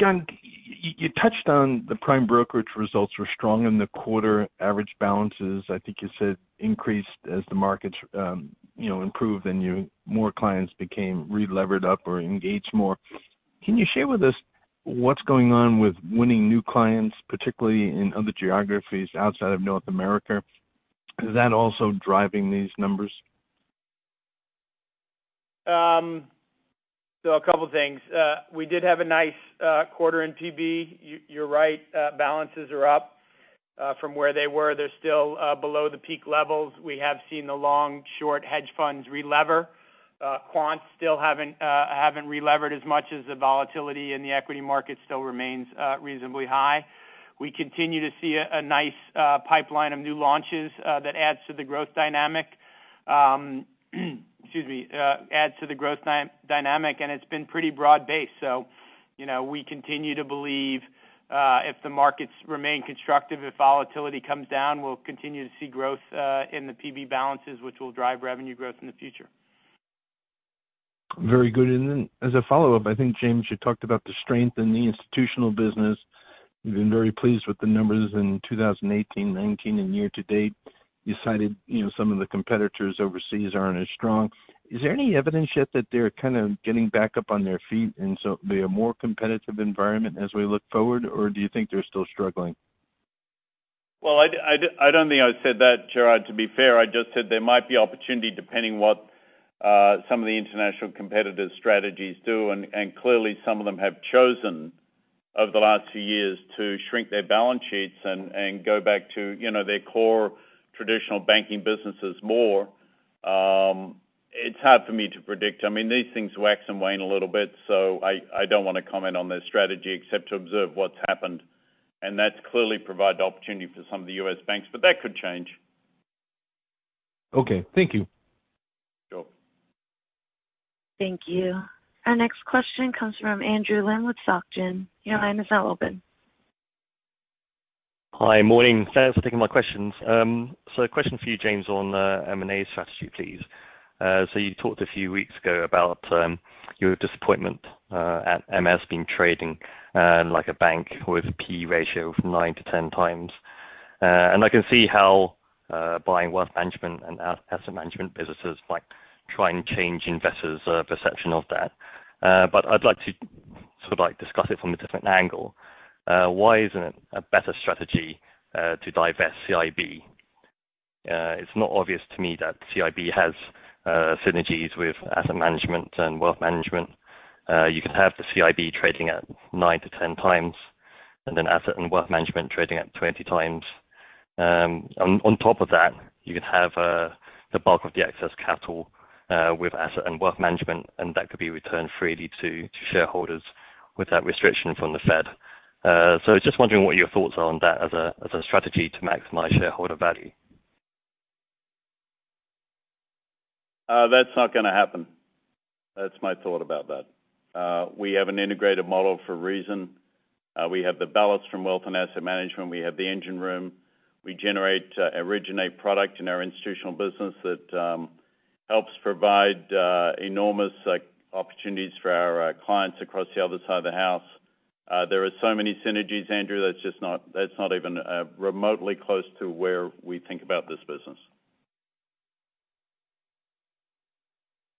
Jon, you touched on the prime brokerage results were strong in the quarter. Average balances, I think you said, increased as the markets improved, and more clients became relevered up or engaged more. Can you share with us what's going on with winning new clients, particularly in other geographies outside North America? Is that also driving these numbers? A couple things. We did have a nice quarter in PB. You're right, balances are up from where they were. They're still below the peak levels. We have seen the long short hedge funds relever. Quants still haven't relevered as much as the volatility in the equity market still remains reasonably high. We continue to see a nice pipeline of new launches that adds to the growth dynamic. It's been pretty broad-based. We continue to believe if the markets remain constructive, if volatility comes down, we'll continue to see growth in the PB balances, which will drive revenue growth in the future. Very good. As a follow-up, I think, James, you talked about the strength in the institutional business. You've been very pleased with the numbers in 2018, 2019, and year-to-date. You cited some of the competitors overseas aren't as strong. Is there any evidence yet that they're kind of getting back up on their feet and so it'll be a more competitive environment as we look forward? Do you think they're still struggling? Well, I don't think I said that, Gerard, to be fair. I just said there might be opportunity depending what some of the international competitors' strategies do. Clearly, some of them have chosen, over the last two years, to shrink their balance sheets and go back to their core traditional banking businesses more. It's hard for me to predict. These things wax and wane a little bit, so I don't want to comment on their strategy except to observe what's happened. That's clearly provided the opportunity for some of the U.S. banks, but that could change. Okay. Thank you. Sure. Thank you. Our next question comes from Andrew Lim with Societe Generale. Your line is now open. Hi. Morning. Thanks for taking my questions. A question for you, James, on M&A strategy, please. You talked a few weeks ago about your disappointment at MS being trading like a bank with a P/E ratio from 9x-10x. I can see how buying wealth management and asset management businesses might try and change investors' perception of that. I'd like to discuss it from a different angle. Why isn't it a better strategy to divest CIB? It's not obvious to me that CIB has synergies with asset management and wealth management. You can have the CIB trading at 9x-10x and then asset and wealth management trading at 20x. On top of that, you could have the bulk of the excess capital with asset and wealth management, and that could be returned freely to shareholders without restriction from the Fed. I was just wondering what your thoughts are on that as a strategy to maximize shareholder value? That's not going to happen. That's my thought about that. We have an integrated model for a reason. We have the balance from wealth and asset management. We have the engine room. We originate product in our institutional business that helps provide enormous opportunities for our clients across the other side of the house. There are so many synergies, Andrew, that's not even remotely close to where we think about this business.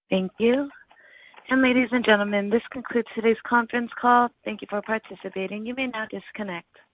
Thank you. Ladies and gentlemen, this concludes today's conference call. Thank you for participating. You may now disconnect.